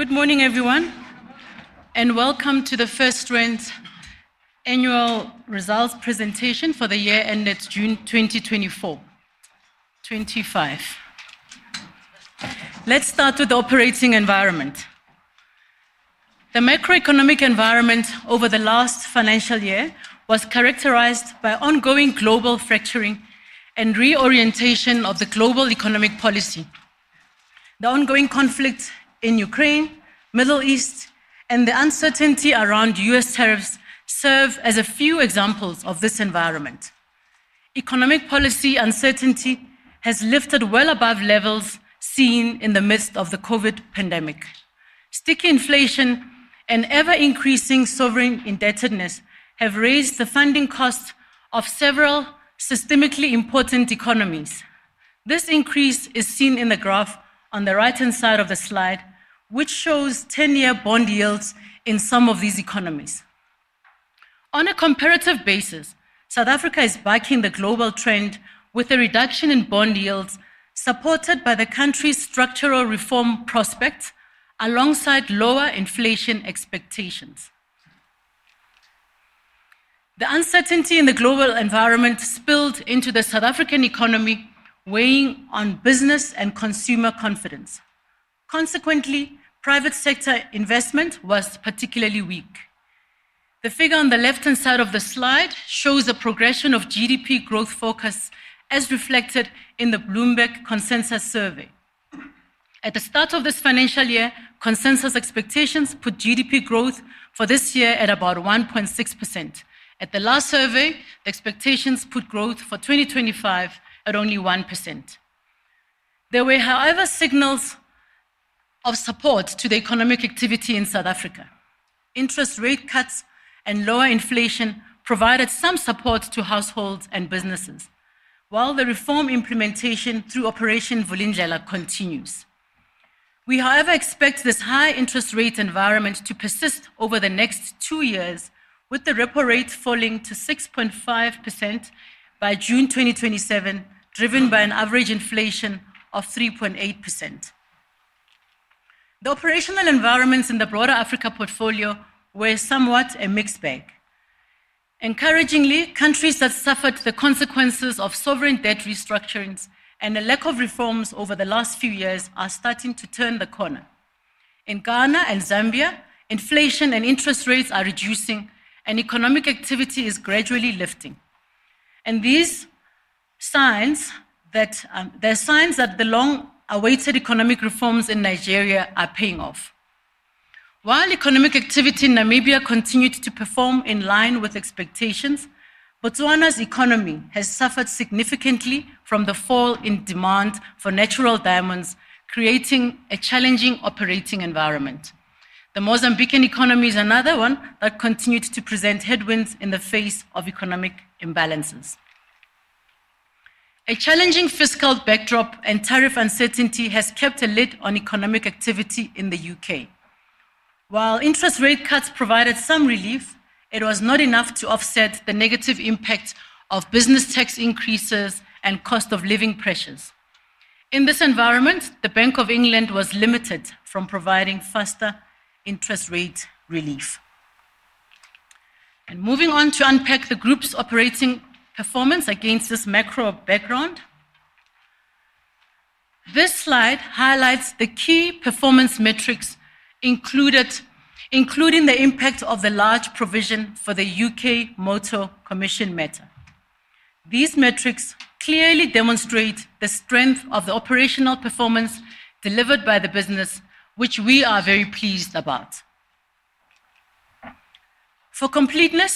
Good morning, everyone, and welcome to the FirstRand's Annual Results Presentation for the year ended June 2024, 2025. Let's start with the operating environment. The macroeconomic environment over the last financial year was characterized by ongoing global fracturing and reorientation of the global economic policy. The ongoing conflict in Ukraine, the Middle East, and the uncertainty around U.S., tariffs serve as a few examples of this environment. Economic policy uncertainty has lifted well above levels seen in the midst of the COVID pandemic. Sticky inflation and ever-increasing sovereign indebtedness have raised the funding costs of several systemically important economies. This increase is seen in the graph on the right-hand side of the slide, which shows 10-year bond yields in some of these economies. On a comparative basis, South Africa is bucking the global trend with a reduction in bond yields supported by the country's structural reform prospects alongside lower inflation expectations. The uncertainty in the global environment spilled into the South African economy, weighing on business and consumer confidence. Consequently, private sector investment was particularly weak. The figure on the left-hand side of the slide shows a progression of GDP growth forecasts as reflected in the Bloomberg Consensus Survey. At the start of this financial year, consensus expectations put GDP growth for this year at about 1.6%. At the last survey, the expectations put growth for 2025 at only 1%. There were, however, signals of support to the economic activity in South Africa. Interest rate cuts and lower inflation provided some support to households and businesses, while the reform implementation through Operation Vulindlela continues. We, however, expect this high interest rate environment to persist over the next two years, with the repo rate falling to 6.5% by June 2027, driven by an average inflation of 3.8%. The operational environments in the broader Africa portfolio were somewhat a mixed bag. Encouragingly, countries that suffered the consequences of sovereign debt restructurings and the lack of reforms over the last few years are starting to turn the corner. In Ghana and Zambia, inflation and interest rates are reducing, and economic activity is gradually lifting. There are signs that the long-awaited economic reforms in Nigeria are paying off. While economic activity in Namibia continued to perform in line with expectations, Botswana's economy has suffered significantly from the fall in demand for natural diamonds, creating a challenging operating environment. The Mozambican economy is another one that continued to present headwinds in the face of economic imbalances. A challenging fiscal backdrop and tariff uncertainty have kept a lid on economic activity in the U.K. While interest rate cuts provided some relief, it was not enough to offset the negative impact of business tax increases and cost of living pressures. In this environment, the Bank of England was limited from providing faster interest rate relief. Moving on to unpack the group's operating performance against this macro background, this slide highlights the key performance metrics included, including the impact of the large provision for the UK Motor Commission matter. These metrics clearly demonstrate the strength of the operational performance delivered by the business, which we are very pleased about. For completeness,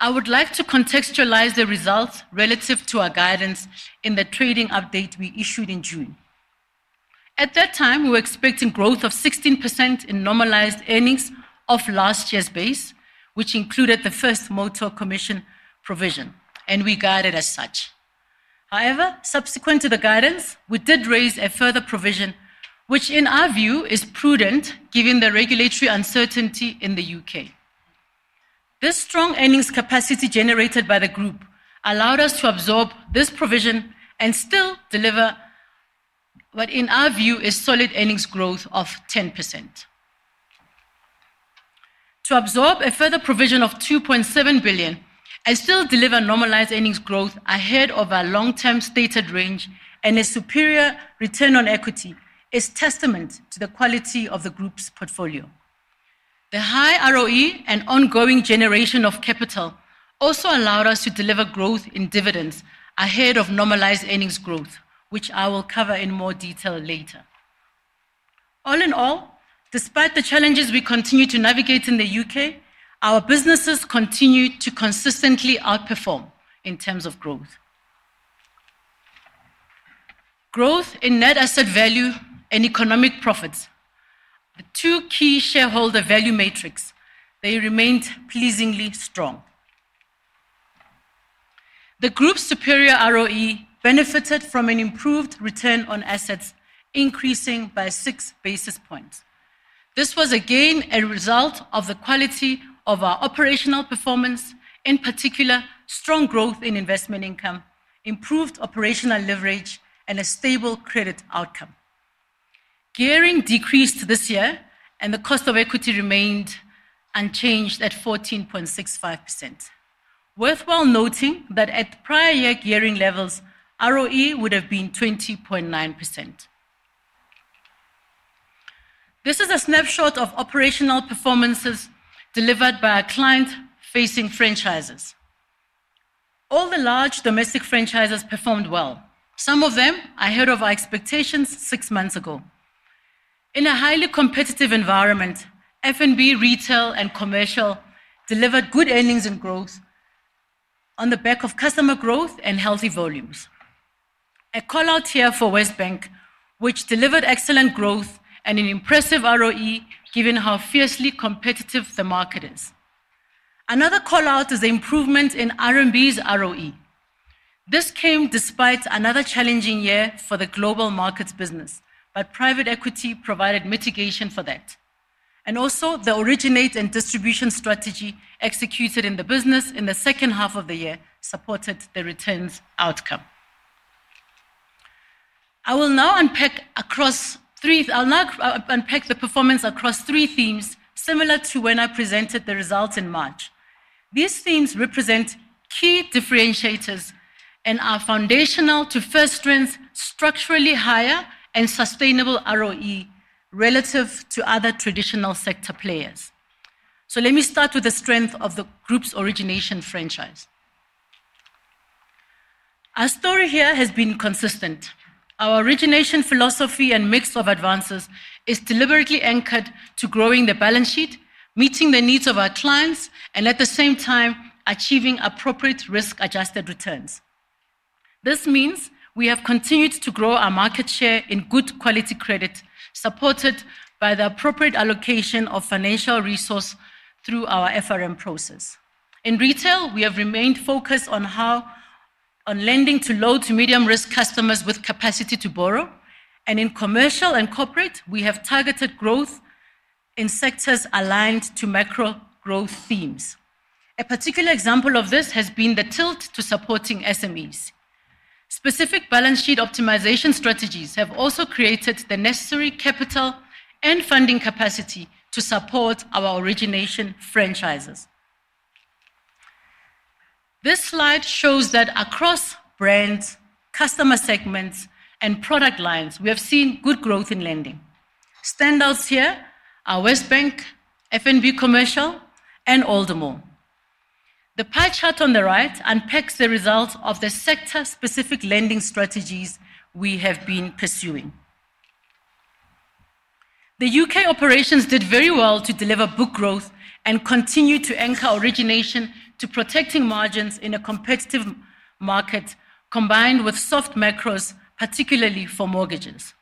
I would like to contextualize the results relative to our guidance in the trading update we issued in June. At that time, we were expecting growth of 16% in normalized earnings off last year's base, which included the first Motor Commission provision, and we guided as such. However, subsequent to the guidance, we did raise a further provision, which in our view is prudent given the regulatory uncertainty in the U.K. This strong earnings capacity generated by the group allowed us to absorb this provision and still deliver what in our view is solid earnings growth of 10%. To absorb a further provision of £2.7 billion and still deliver normalized earnings growth ahead of our long-term stated range and a superior return on equity is a testament to the quality of the group's portfolio. The high ROE and ongoing generation of capital also allowed us to deliver growth in dividends ahead of normalized earnings growth, which I will cover in more detail later. All in all, despite the challenges we continue to navigate in the U.K. our businesses continue to consistently outperform in terms of growth. Growth in net asset value and economic profits, two key shareholder value metrics, remained pleasingly strong. The group's superior ROE benefited from an improved return on assets, increasing by 6 basis points. This was again a result of the quality of our operational performance, in particular strong growth in investment income, improved operational leverage, and a stable credit outcome. Gearing decreased this year, and the cost of equity remained unchanged at 14.65%. Worthwhile noting that at prior year gearing levels, ROE would have been 20.9%. This is a snapshot of operational performances delivered by our client-facing franchises. All the large domestic franchises performed well. Some of them were ahead of our expectations six months ago. In a highly competitive environment, FNB, retail, and commercial delivered good earnings and growth on the back of customer growth and healthy volumes. A call out here for Westbank, which delivered excellent growth and an impressive ROE given how fiercely competitive the market is. Another call out is the improvement in RMB's ROE. This came despite another challenging year for the global markets business, private equity provided mitigation for that. Also, the originate and distribution strategy executed in the business in the second half of the year supported the returns outcome. I'll now unpack the performance across three themes similar to when I presented the results in March. These themes represent key differentiators and are foundational to FirstRand's structurally higher and sustainable ROE relative to other traditional sector players. Let me start with the strength of the group's origination franchise. Our story here has been consistent. Our origination philosophy and mix of advances are deliberately anchored to growing the balance sheet, meeting the needs of our clients, and at the same time, achieving appropriate risk-adjusted returns. This means we have continued to grow our market share in good quality credit, supported by the appropriate allocation of financial resources through our FRM process. In retail, we have remained focused on lending to low to medium risk customers with capacity to borrow, and in commercial and corporate, we have targeted growth in sectors aligned to macro growth themes. A particular example of this has been the tilt to supporting SMEs. Specific balance sheet optimization strategies have also created the necessary capital and funding capacity to support our origination franchises. This slide shows that across brands, customer segments, and product lines, we have seen good growth in lending. Standouts here are Westbank, FNB Commercial, and Aldermore. The pie chart on the right unpacks the results of the sector-specific lending strategies we have been pursuing. The U.K. operations did very well to deliver book growth and continue to anchor origination to protecting margins in a competitive market, combined with soft macros, particularly for mortgages.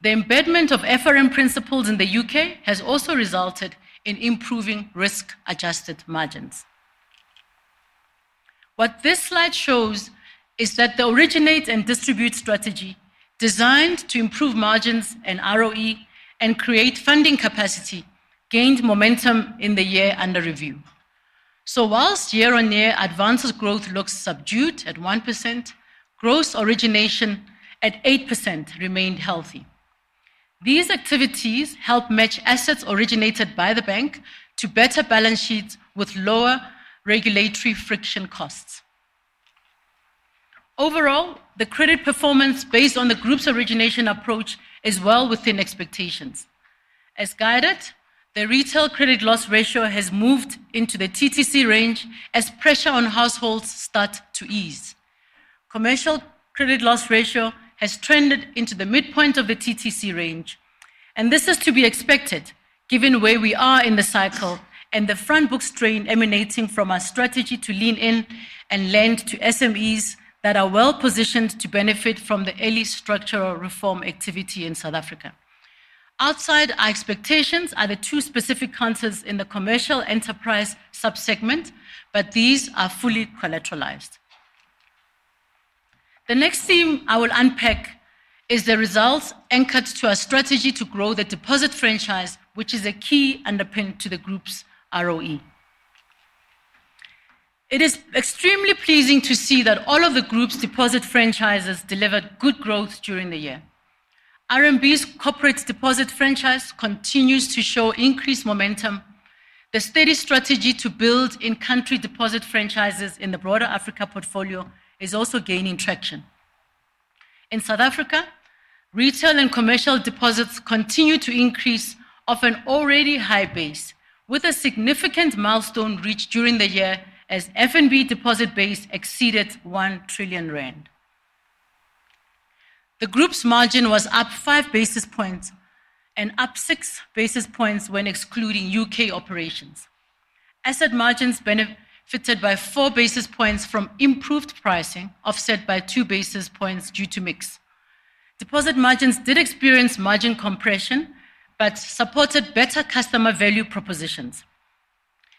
The embeddment of FRM principles in the U.K. has also resulted in improving risk-adjusted margins. What this slide shows is that the originate and distribute strategy, designed to improve margins and ROE and create funding capacity, gained momentum in the year under review. Whilst year-on-year advanced growth looks subdued at 1%, gross origination at 8% remained healthy. These activities help match assets originated by the bank to better balance sheets with lower regulatory friction costs. Overall, the credit performance based on the group's origination approach is well within expectations. As guided, the retail credit loss ratio has moved into the TTC range as pressure on households starts to ease. The commercial credit loss ratio has trended into the midpoint of the TTC range, and this is to be expected given where we are in the cycle and the front books strain emanating from our strategy to lean in and lend to SMEs that are well-positioned to benefit from the early structural reform activity in South Africa. Outside our expectations are the two specific counters in the commercial enterprise subsegment, but these are fully collateralized. The next theme I will unpack is the results anchored to our strategy to grow the deposit franchise, which is a key underpinning to the group's ROE. It is extremely pleasing to see that all of the group's deposit franchises delivered good growth during the year. RMB's corporate deposit franchise continues to show increased momentum. The steady strategy to build in-country deposit franchises in the broader Africa portfolio is also gaining traction. In South Africa, retail and commercial deposits continue to increase, often already high base, with a significant milestone reached during the year as FNB deposit base exceeded R1 trillion. The group's margin was up 5 basis points and up 6 basis points when excluding U.K. operations. Asset margins benefited by 4 basis points from improved pricing, offset by 2 basis points due to mix. Deposit margins did experience margin compression, but supported better customer value propositions.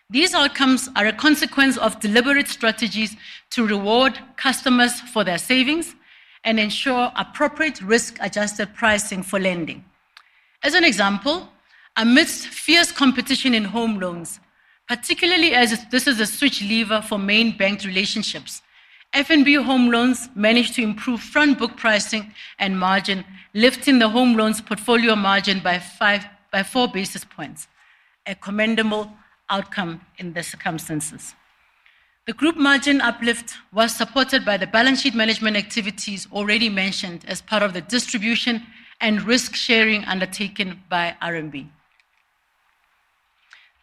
These outcomes are a consequence of deliberate strategies to reward customers for their savings and ensure appropriate risk-adjusted pricing for lending. As an example, amidst fierce competition in home loans, particularly as this is a switch lever for main bank relationships, FNB home loans managed to improve front book pricing and margin, lifting the home loans portfolio margin by 4 basis points, a commendable outcome in these circumstances. The group margin uplift was supported by the balance sheet management activities already mentioned as part of the distribution and risk sharing undertaken by RMB.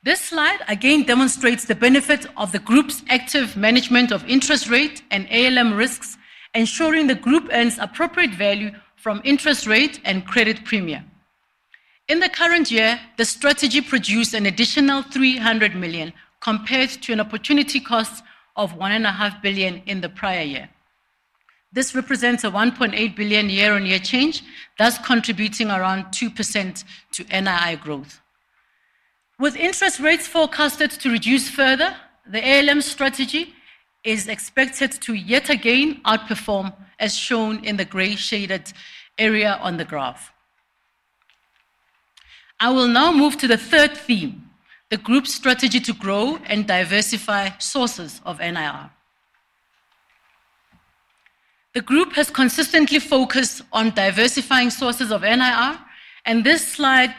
This slide again demonstrates the benefit of the group's active management of interest rate and ALM risks, ensuring the group earns appropriate value from interest rate and credit premia. In the current year, the strategy produced an additional R300 million compared to an opportunity cost of R1.5 billion in the prior year. This represents a R1.8 billion year-on-year change, thus contributing around 2% to NII growth. With interest rates forecasted to reduce further, the ALM strategy is expected to yet again outperform, as shown in the gray shaded area on the graph. I will now move to the third theme, the group's strategy to grow and diversify sources of NII. The group has consistently focused on diversifying sources of NII, and this slide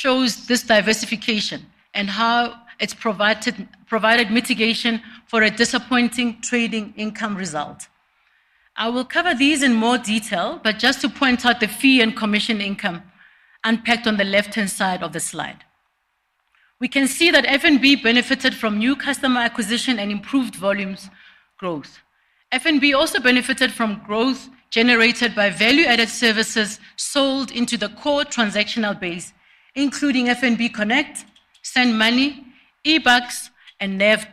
shows this diversification and how it's provided mitigation for a disappointing trading income result. I will cover these in more detail, but just to point out the fee and commission income unpacked on the left-hand side of the slide. We can see that FNB benefited from new customer acquisition and improved volumes growth. FNB also benefited from growth generated by value-added services sold into the core transactional base, including FNB Connect, Send Money, eBucks, and NAV.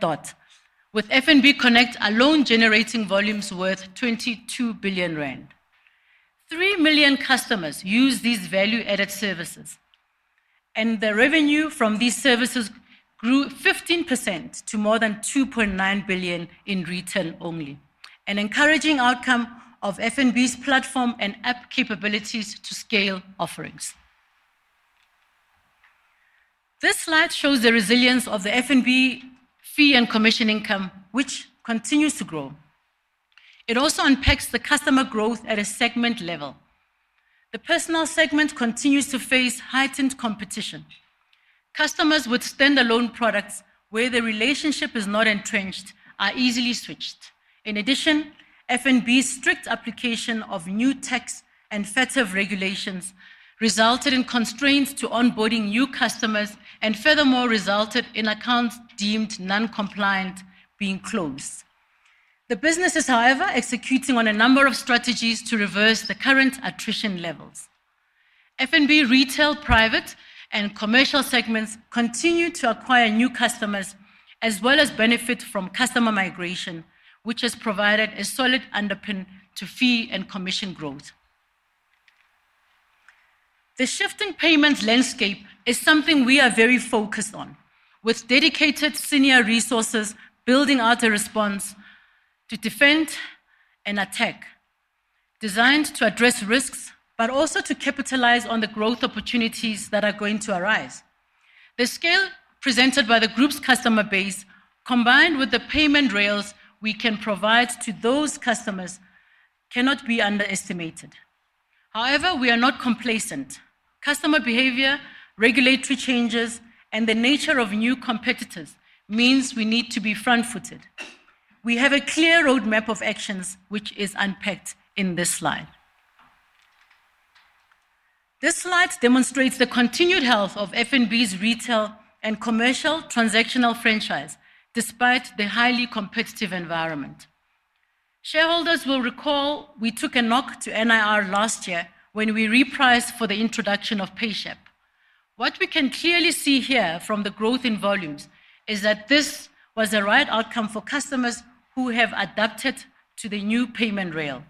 With FNB Connect alone generating volumes worth R22 billion, three million customers used these value-added services, and the revenue from these services grew 15% to more than R2.9 billion in return only, an encouraging outcome of FNB's platform and app capabilities to scale offerings. This slide shows the resilience of the FNB fee and commission income, which continues to grow. It also unpacks the customer growth at a segment level. The personal segment continues to face heightened competition. Customers with standalone products where the relationship is not entrenched are easily switched. In addition, FNB's strict application of new tax and FATF regulations resulted in constraints to onboarding new customers and furthermore resulted in accounts deemed non-compliant being closed. The business is, however, executing on a number of strategies to reverse the current attrition levels. FNB retail, private, and commercial segments continue to acquire new customers as well as benefit from customer migration, which has provided a solid underpinning to fee and commission growth. The shifting payments landscape is something we are very focused on, with dedicated senior resources building out a response to defend and attack, designed to address risks, but also to capitalize on the growth opportunities that are going to arise. The scale presented by the group's customer base, combined with the payment rails we can provide to those customers, cannot be underestimated. However, we are not complacent. Customer behavior, regulatory changes, and the nature of new competitors mean we need to be front-footed. We have a clear roadmap of actions, which is unpacked in this slide. This slide demonstrates the continued health of FNB's retail and commercial transactional franchise despite the highly competitive environment. Shareholders will recall we took a knock to NII last year when we repriced for the introduction of PayShap. What we can clearly see here from the growth in volumes is that this was a right outcome for customers who have adapted to the new payment rail.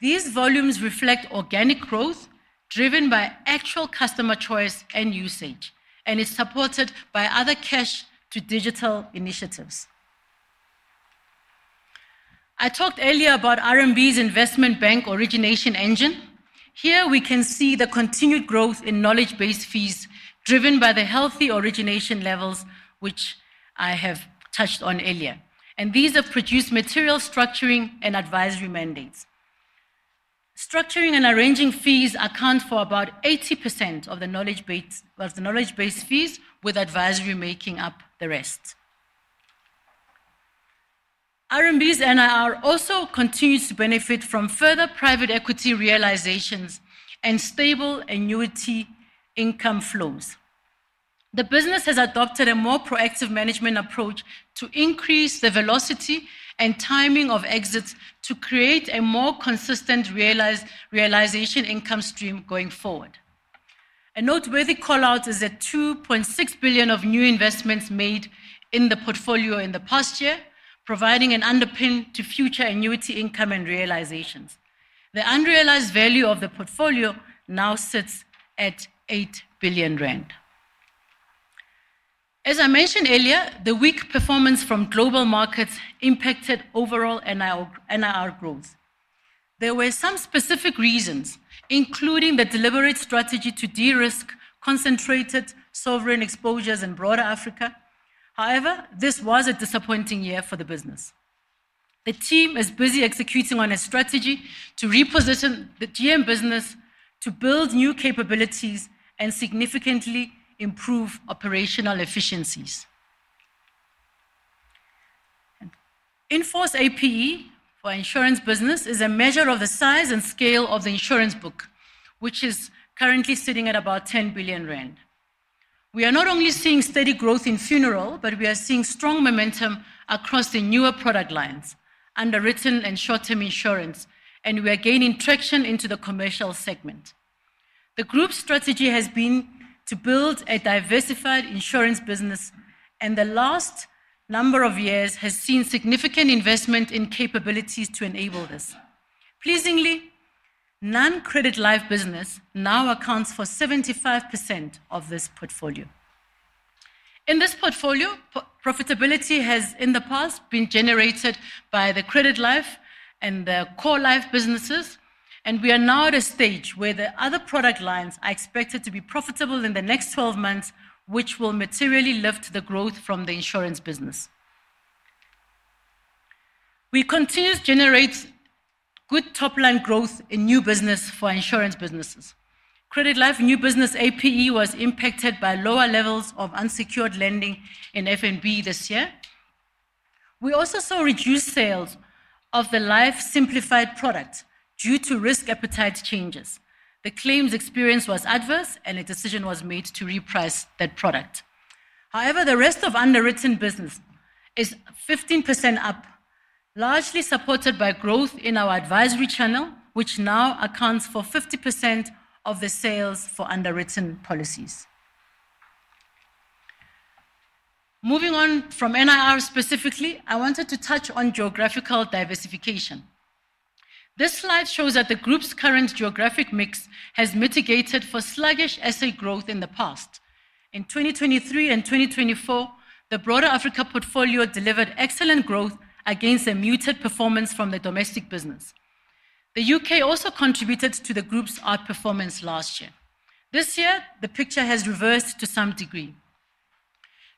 These volumes reflect organic growth driven by actual customer choice and usage, and it's supported by other cash-to-digital initiatives. I talked earlier about RMB's investment bank origination engine. Here we can see the continued growth in knowledge-based fees driven by the healthy origination levels, which I have touched on earlier. These produce material structuring and advisory mandates. Structuring and arranging fees account for about 80% of the knowledge-based fees, with advisory making up the rest. RMB's NII also continues to benefit from further private equity realizations and stable annuity income flows. The business has adopted a more proactive management approach to increase the velocity and timing of exits to create a more consistent realization income stream going forward. A noteworthy call out is that R2.6 billion of new investments made in the portfolio in the past year, providing an underpinning to future annuity income and realizations. The unrealized value of the portfolio now sits at R8 billion. As I mentioned earlier, the weak performance from global markets impacted overall NII growth. There were some specific reasons, including the deliberate strategy to de-risk concentrated sovereign exposures in broader Africa. However, this was a disappointing year for the business. The team is busy executing on a strategy to reposition the GM business to build new capabilities and significantly improve operational efficiencies. Inforce APE for insurance business is a measure of the size and scale of the insurance book, which is currently sitting at about R10 billion. We are not only seeing steady growth in funeral, but we are seeing strong momentum across the newer product lines, underwritten and short-term insurance, and we are gaining traction into the commercial segment. The group's strategy has been to build a diversified insurance business, and the last number of years has seen significant investment in capabilities to enable this. Pleasingly, non-credit life business now accounts for 75% of this portfolio. In this portfolio, profitability has in the past been generated by the credit life and the core life businesses, and we are now at a stage where the other product lines are expected to be profitable in the next 12 months, which will materially lift the growth from the insurance business. We continue to generate good top-line growth in new business for insurance businesses. Credit life new business APE was impacted by lower levels of unsecured lending in FNB this year. We also saw reduced sales of the life simplified product due to risk appetite changes. The claims experience was adverse, and a decision was made to reprice that product. However, the rest of underwritten business is 15% up, largely supported by growth in our advisory channel, which now accounts for 50% of the sales for underwritten policies. Moving on from NII specifically, I wanted to touch on geographical diversification. This slide shows that the group's current geographic mix has mitigated for sluggish asset growth in the past. In 2023 and 2024, the broader Africa portfolio delivered excellent growth against a muted performance from the domestic business. The U.K. also contributed to the group's outperformance last year. This year, the picture has reversed to some degree.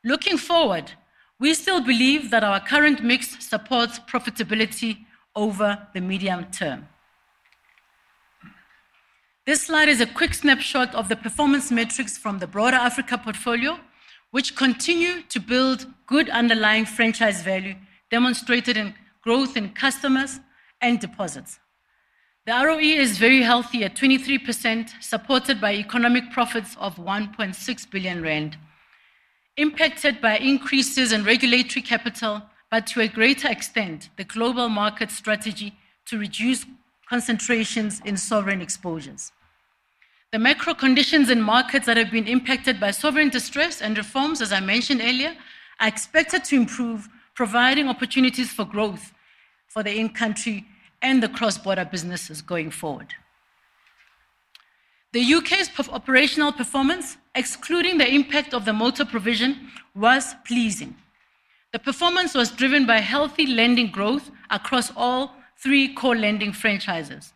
Looking forward, we still believe that our current mix supports profitability over the medium term. This slide is a quick snapshot of the performance metrics from the broader Africa portfolio, which continue to build good underlying franchise value, demonstrated in growth in customers and deposits. The ROE is very healthy at 23%, supported by economic profits of R1.6 billion, impacted by increases in regulatory capital, but to a greater extent, the global market strategy to reduce concentrations in sovereign exposures. The macro conditions in markets that have been impacted by sovereign distress and reforms, as I mentioned earlier, are expected to improve, providing opportunities for growth for the in-country and the cross-border businesses going forward. The U.K.'s operational performance, excluding the impact of the motor provision, was pleasing. The performance was driven by healthy lending growth across all three core lending franchises.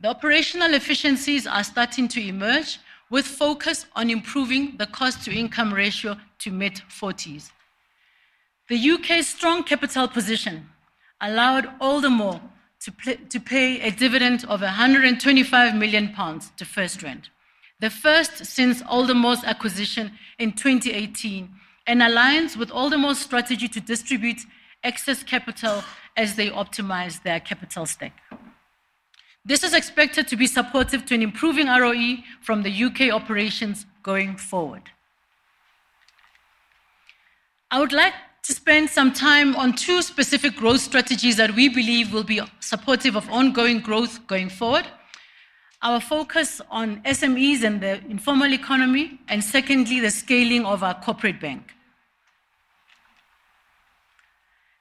The operational efficiencies are starting to emerge, with focus on improving the cost-to-income ratio to mid-40s. The U.K.'s strong capital position allowed Aldermore to pay a dividend of £125 million to FirstRand, the first since Aldermore's acquisition in 2018, and aligns with Aldermore's strategy to distribute excess capital as they optimize their capital stack. This is expected to be supportive to an improving ROE from the U.K. operations going forward. I would like to spend some time on two specific growth strategies that we believe will be supportive of ongoing growth going forward. Our focus on SMEs and the informal economy, and secondly, the scaling of our corporate bank.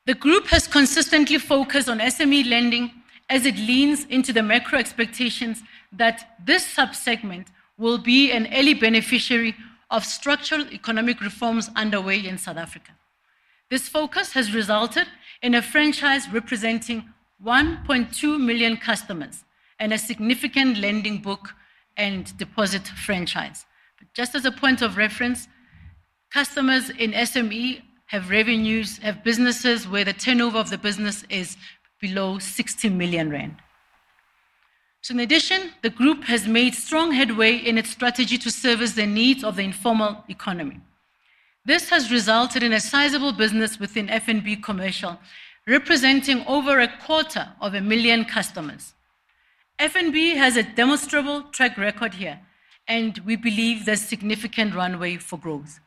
The group has consistently focused on SME lending as it leans into the macro expectations that this subsegment will be an early beneficiary of structural economic reforms underway in South Africa. This focus has resulted in a franchise representing 1.2 million customers and a significant lending book and deposit franchise. Just as a point of reference, customers in SME have revenues of businesses where the turnover of the business is below R60 million. In addition, the group has made strong headway in its strategy to service the needs of the informal economy. This has resulted in a sizable business within FNB Commercial, representing over a quarter of a million customers. FNB has a demonstrable track record here, and we believe there's significant runway for growth.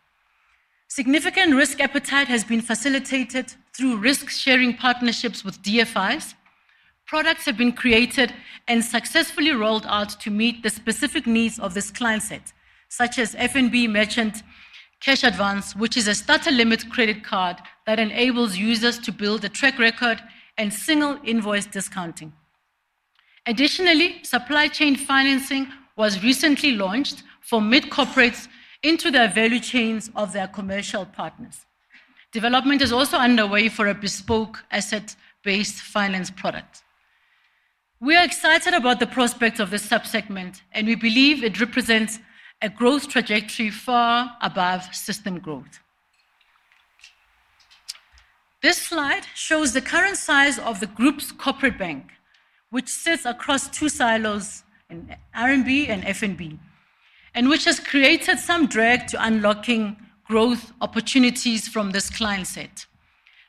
Significant risk appetite has been facilitated through risk-sharing partnerships with DFIs. Products have been created and successfully rolled out to meet the specific needs of this client set, such as FNB Merchant Cash Advance, which is a starter limit credit card that enables users to build a track record and single invoice discounting. Additionally, supply chain financing was recently launched for mid-corporates into the value chains of their commercial partners. Development is also underway for a bespoke asset-based finance product. We are excited about the prospects of this subsegment, and we believe it represents a growth trajectory far above system growth. This slide shows the current size of the group's corporate bank, which sits across two silos in RMB and FNB, and which has created some drag to unlocking growth opportunities from this client set.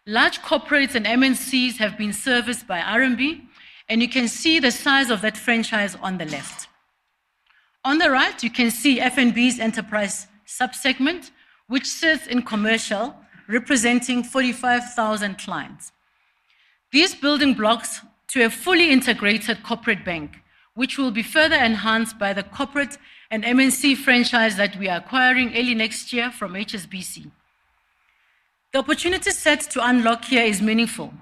Large corporates and MNCs have been serviced by RMB, and you can see the size of that franchise on the left. On the right, you can see FNB's enterprise subsegment, which sits in commercial, representing 45,000 clients. These are building blocks to a fully integrated corporate bank, which will be further enhanced by the corporate and MNC franchise that we are acquiring early next year from HSBC. The opportunity set to unlock here is meaningful,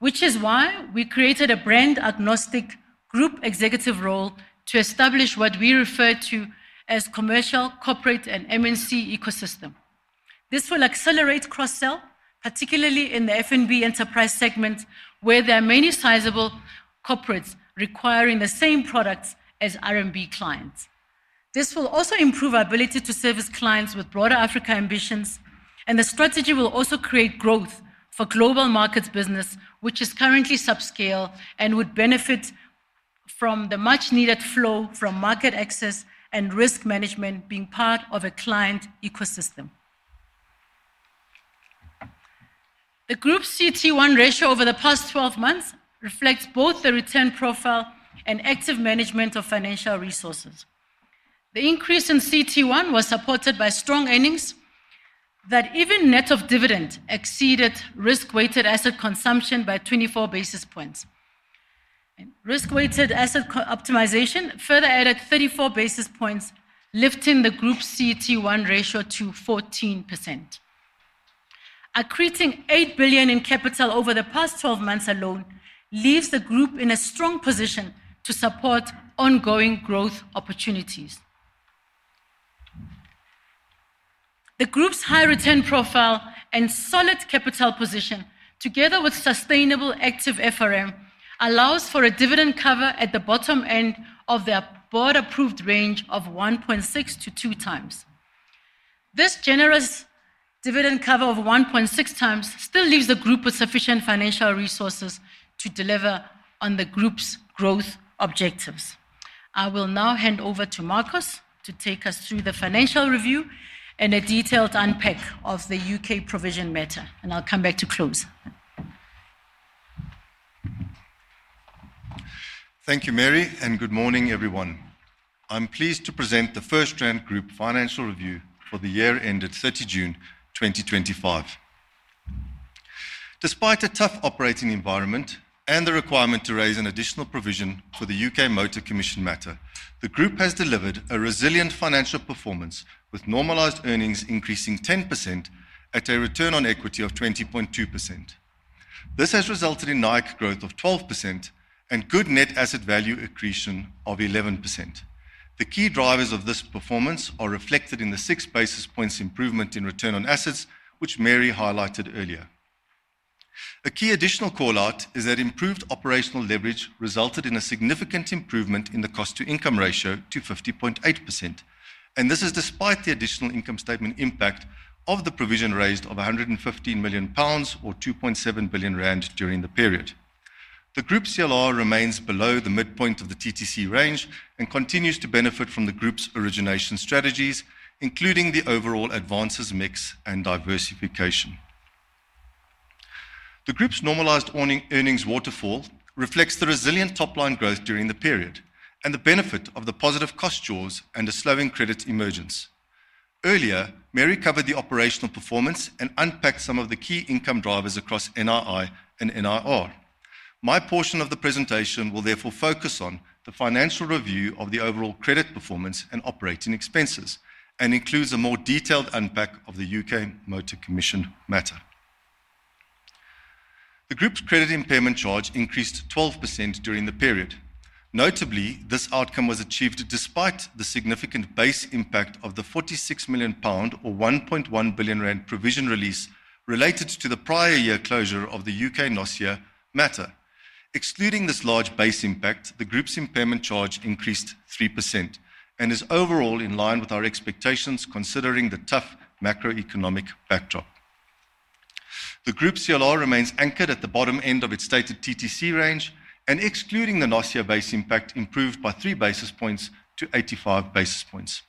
which is why we created a brand-agnostic group executive role to establish what we refer to as the commercial, corporate, and MNC ecosystem. This will accelerate cross-sell, particularly in the FNB enterprise segment, where there are many sizable corporates requiring the same products as RMB clients. This will also improve our ability to service clients with broader Africa ambitions, and the strategy will also create growth for global markets business, which is currently subscale and would benefit from the much-needed flow from market access and risk management being part of a client ecosystem. The group's CET1 ratio over the past 12 months reflects both the return profile and active management of financial resources. The increase in CET1 was supported by strong earnings that even net of dividend exceeded risk-weighted asset consumption by 24 basis points. Risk-weighted asset optimization further added 34 basis points, lifting the group's CET1 ratio to 14%. Accreting $8 billion in capital over the past 12 months alone leaves the group in a strong position to support ongoing growth opportunities. The group's high return profile and solid capital position, together with sustainable active FRM, allow for a dividend cover at the bottom end of their board-approved range of 1.6x-2x. This generous dividend cover of 1.6x still leaves the group with sufficient financial resources to deliver on the group's growth objectives. I will now hand over to Markos to take us through the financial review and a detailed unpack of the U.K. provision matter, and I'll come back to close. Thank you, Mary, and good morning, everyone. I'm pleased to present the FirstRand Group Financial Review for the year ended 30 June 2025. Despite a tough operating environment and the requirement to raise an additional provision for the U.K. Motor Commission matter, the group has delivered a resilient financial performance with normalized earnings increasing 10% at a return on equity of 20.2%. This has resulted in NII growth of 12% and good net asset value accretion of 11%. The key drivers of this performance are reflected in the 6 basis points improvement in return on assets, which Mary highlighted earlier. A key additional call out is that improved operational leverage resulted in a significant improvement in the cost-to-income ratio to 50.8%, and this is despite the additional income statement impact of the provision raised of £115 million, or £2.7 billion during the period. The group's CLR remains below the midpoint of the TTC range and continues to benefit from the group's origination strategies, including the overall advances mix and diversification. The group's normalized earnings waterfall reflects the resilient top-line growth during the period and the benefit of the positive cost jewels and a slowing credit emergence. Earlier, Mary covered the operational performance and unpacked some of the key income drivers across NII and NIR. My portion of the presentation will therefore focus on the financial review of the overall credit performance and operating expenses and includes a more detailed unpack of the U.K. Motor Commission matter. The group's credit impairment charge increased 12% during the period. Notably, this outcome was achieved despite the significant base impact of the £46 million, or R1.1 billion provision release related to the prior year closure of the U.K. NOSIA matter. Excluding this large base impact, the group's impairment charge increased 3% and is overall in line with our expectations, considering the tough macroeconomic backdrop. The group's CLR remains anchored at the bottom end of its stated TTC range, and excluding the NOSIA base impact, it improved by 3 basis points to 85 basis points.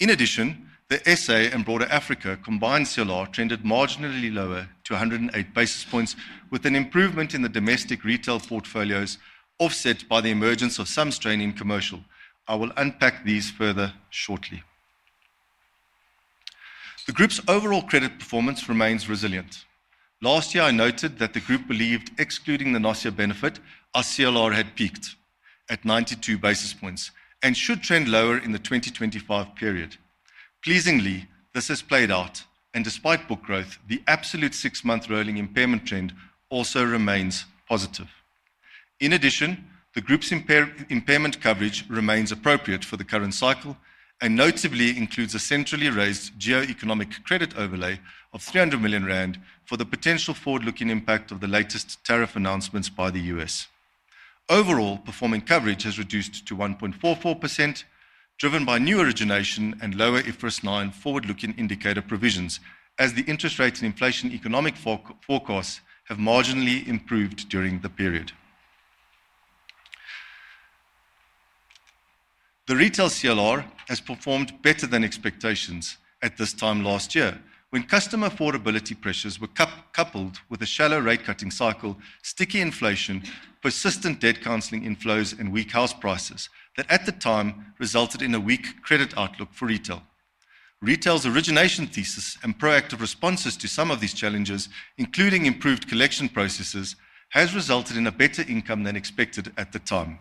In addition, the SA and broader Africa combined CLR trended marginally lower to 108 basis points, with an improvement in the domestic retail portfolios offset by the emergence of some strain in commercial. I will unpack these further shortly. The group's overall credit performance remains resilient. Last year, I noted that the group believed excluding the NOSIA benefit, our CLR had peaked at 92 basis points and should trend lower in the 2025 period. Pleasingly, this has played out, and despite book growth, the absolute six-month rolling impairment trend also remains positive. In addition, the group's impairment coverage remains appropriate for the current cycle and notably includes a centrally raised geoeconomic credit overlay of $300 million for the potential forward-looking impact of the latest tariff announcements by the U.S. Overall, performing coverage has reduced to 1.44%, driven by new origination and lower IFRS 9 forward-looking indicator provisions, as the interest rate and inflation economic forecasts have marginally improved during the period. The retail CLR has performed better than expectations at this time last year, when customer affordability pressures were coupled with a shallow rate cutting cycle, sticky inflation, persistent debt counseling inflows, and weak house prices that at the time resulted in a weak credit outlook for retail. Retail's origination thesis and proactive responses to some of these challenges, including improved collection processes, have resulted in a better income than expected at the time.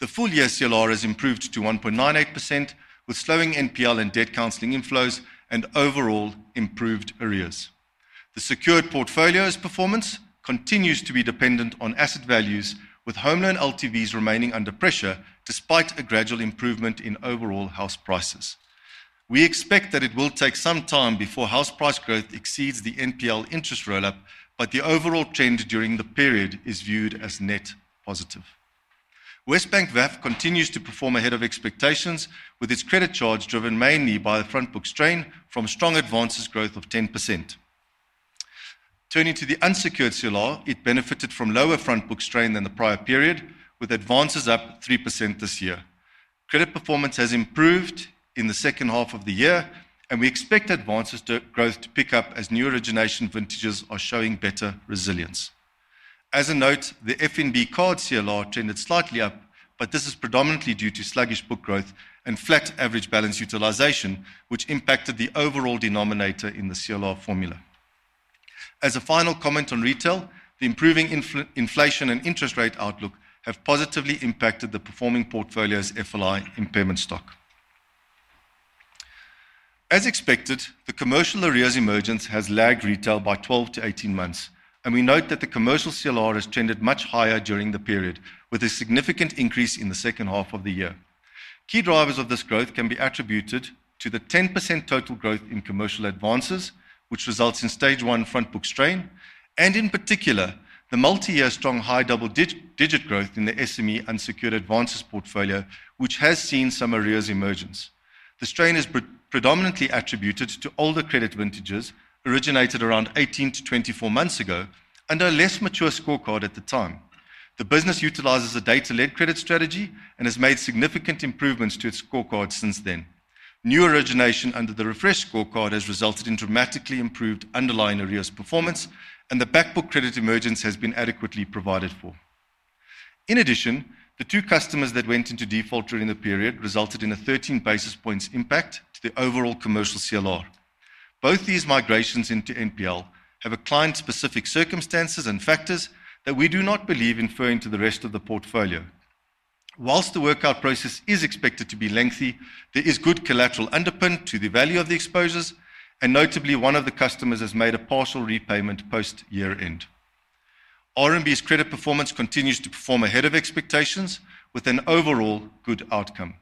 The full year CLR has improved to 1.98%, with slowing NPR and debt counseling inflows and overall improved arrears. The secured portfolio's performance continues to be dependent on asset values, with home loan LTVs remaining under pressure despite a gradual improvement in overall house prices. We expect that it will take some time before house price growth exceeds the NPL interest roll-up, but the overall trend during the period is viewed as net positive. Westbank VAT continues to perform ahead of expectations, with its credit charge driven mainly by the front book strain from strong advances growth of 10%. Turning to the unsecured CLR, it benefited from lower front book strain than the prior period, with advances up 3% this year. Credit performance has improved in the second half of the year, and we expect advances growth to pick up as new origination vintages are showing better resilience. As a note, the FNB card CLR trended slightly up, but this is predominantly due to sluggish book growth and flat average balance utilization, which impacted the overall denominator in the CLR formula. As a final comment on retail, the improving inflation and interest rate outlook have positively impacted the performing portfolio's FLI impairment stock. As expected, the commercial arrears emergence has lagged retail by 12-18 months, and we note that the commercial CLR has trended much higher during the period, with a significant increase in the second half of the year. Key drivers of this growth can be attributed to the 10% total growth in commercial advances, which results in stage one front book strain, and in particular, the multi-year strong high double-digit growth in the SME unsecured advances portfolio, which has seen some arrears emergence. The strain is predominantly attributed to older credit vintages originated around 18-24 months ago and a less mature scorecard at the time. The business utilizes a data-led credit strategy and has made significant improvements to its scorecard since then. New origination under the refreshed scorecard has resulted in dramatically improved underlying arrears performance, and the back book credit emergence has been adequately provided for. In addition, the two customers that went into default during the period resulted in a 13 basis points impact to the overall commercial CLR. Both these migrations into NPL have client-specific circumstances and factors that we do not believe are referring to the rest of the portfolio. Whilst the workout process is expected to be lengthy, there is good collateral underpinning to the value of the exposures, and notably, one of the customers has made a partial repayment post-year end. RMB's credit performance continues to perform ahead of expectations with an overall good outcome.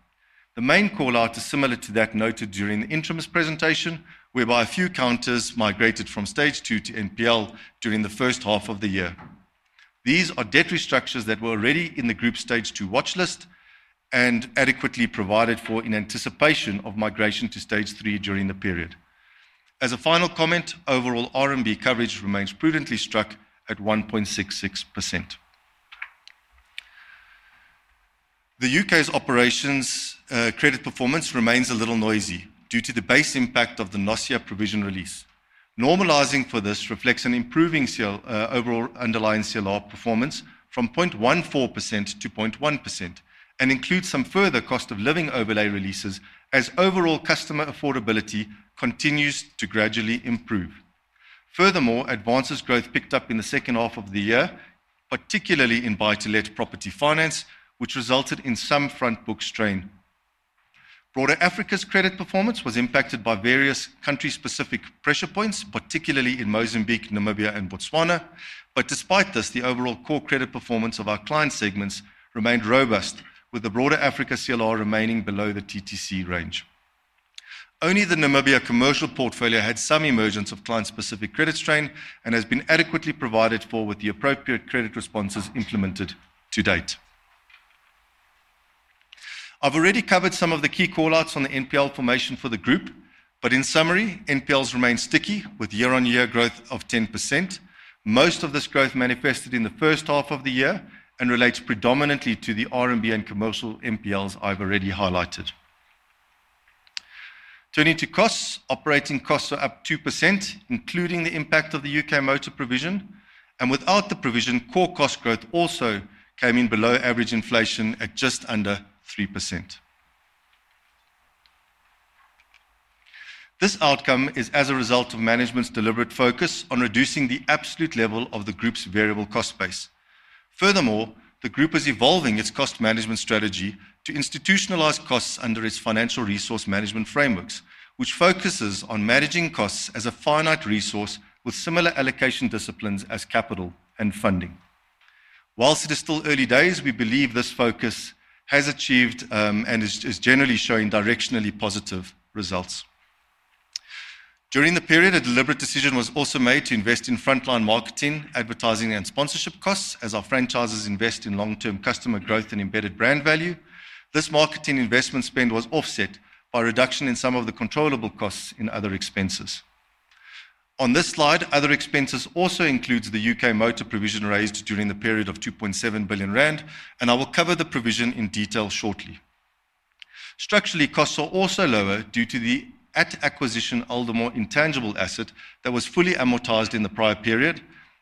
The main call out is similar to that noted during the interim's presentation, whereby a few counters migrated from stage two to NPL during the first half of the year. These are debt restructures that were already in the group's stage two watchlist and adequately provided for in anticipation of migration to stage three during the period. As a final comment, overall RMB coverage remains prudently struck at 1.66%. The U.K.'s operations credit performance remains a little noisy due to the base impact of the NOSIA provision release. Normalizing for this reflects an improving overall underlying CLR performance from 0.14%-0.1% and includes some further cost of living overlay releases as overall customer affordability continues to gradually improve. Furthermore, advances growth picked up in the second half of the year, particularly in buy-to-let property finance, which resulted in some front book strain. Broader Africa's credit performance was impacted by various country-specific pressure points, particularly in Mozambique, Namibia, and Botswana. Despite this, the overall core credit performance of our client segments remained robust, with the broader Africa CLR remaining below the TTC range. Only the Namibia commercial portfolio had some emergence of client-specific credit strain and has been adequately provided for with the appropriate credit responses implemented to date. I've already covered some of the key call outs on the NPL formation for the group. In summary, NPLs remain sticky with year-on-year growth of 10%. Most of this growth manifested in the first half of the year and relates predominantly to the RMB and commercial NPLs I've already highlighted. Turning to costs, operating costs are up 2%, including the impact of the U.K. motor provision. Without the provision, core cost growth also came in below average inflation at just under 3%. This outcome is as a result of management's deliberate focus on reducing the absolute level of the group's variable cost base. Furthermore, the group is evolving its cost management strategy to institutionalize costs under its financial resource management frameworks, which focuses on managing costs as a finite resource with similar allocation disciplines as capital and funding. Whilst it is still early days, we believe this focus has achieved and is generally showing directionally positive results. During the period, a deliberate decision was also made to invest in frontline marketing, advertising, and sponsorship costs as our franchises invest in long-term customer growth and embedded brand value. This marketing investment spend was offset by a reduction in some of the controllable costs in other expenses. On this slide, other expenses also include the U.K. motor provision raised during the period of R2.7 billion, and I will cover the provision in detail shortly. Structurally, costs are also lower due to the at-acquisition Aldermore intangible asset that was fully amortized in the prior period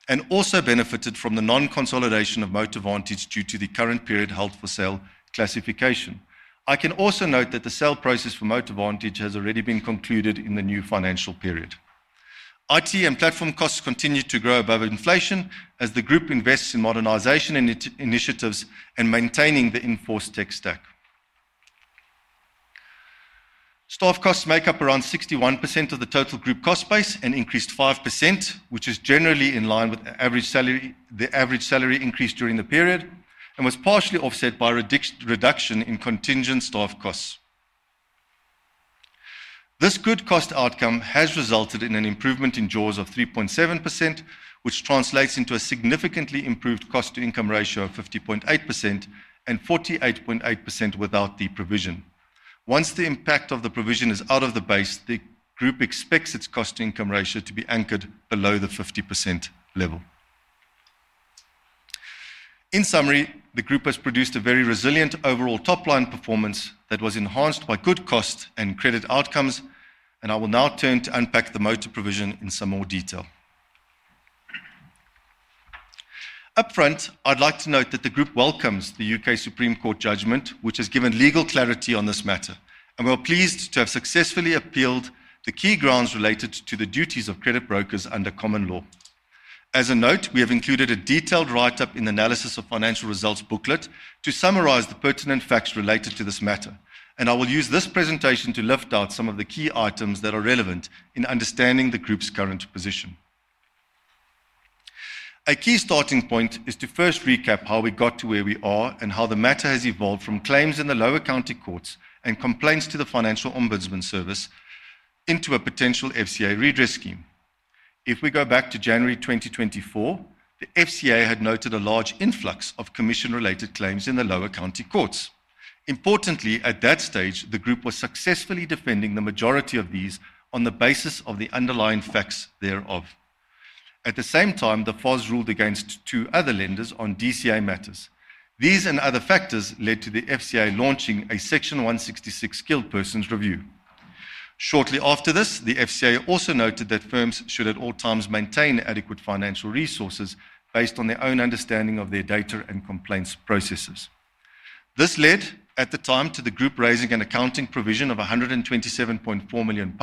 and also benefited from the non-consolidation of Motor Vantage due to the current period held for sale classification. I can also note that the sale process for Motor Vantage has already been concluded in the new financial period. IT and platform costs continue to grow above inflation as the group invests in modernization initiatives and maintaining the enforced tech stack. Staff costs make up around 61% of the total group cost base and increased 5%, which is generally in line with the average salary increase during the period and was partially offset by a reduction in contingent staff costs. This good cost outcome has resulted in an improvement in jaws of 3.7%, which translates into a significantly improved cost-to-income ratio of 50.8% and 48.8% without the provision. Once the impact of the provision is out of the base, the group expects its cost-to-income ratio to be anchored below the 50% level. In summary, the group has produced a very resilient overall top-line performance that was enhanced by good costs and credit outcomes, and I will now turn to unpack the motor provision in some more detail. Upfront, I'd like to note that the group welcomes the U.K. Supreme Court judgment, which has given legal clarity on this matter, and we're pleased to have successfully appealed the key grounds related to the duties of credit brokers under common law. As a note, we have included a detailed write-up in the Analysis of Financial Results booklet to summarize the pertinent facts related to this matter, and I will use this presentation to lift out some of the key items that are relevant in understanding the group's current position. A key starting point is to first recap how we got to where we are and how the matter has evolved from claims in the lower county courts and complaints to the Financial Ombudsman Service into a potential FCA redress scheme. If we go back to January 2024, the FCA had noted a large influx of commission-related claims in the lower county courts. Importantly, at that stage, the group was successfully defending the majority of these on the basis of the underlying facts thereof. At the same time, the FOS ruled against two other lenders on DCA matters. These and other factors led to the FCA launching a Section 166 Skilled Persons Review. Shortly after this, the FCA also noted that firms should at all times maintain adequate financial resources based on their own understanding of their data and complaints processes. This led, at the time, to the group raising an accounting provision of £127.4 million,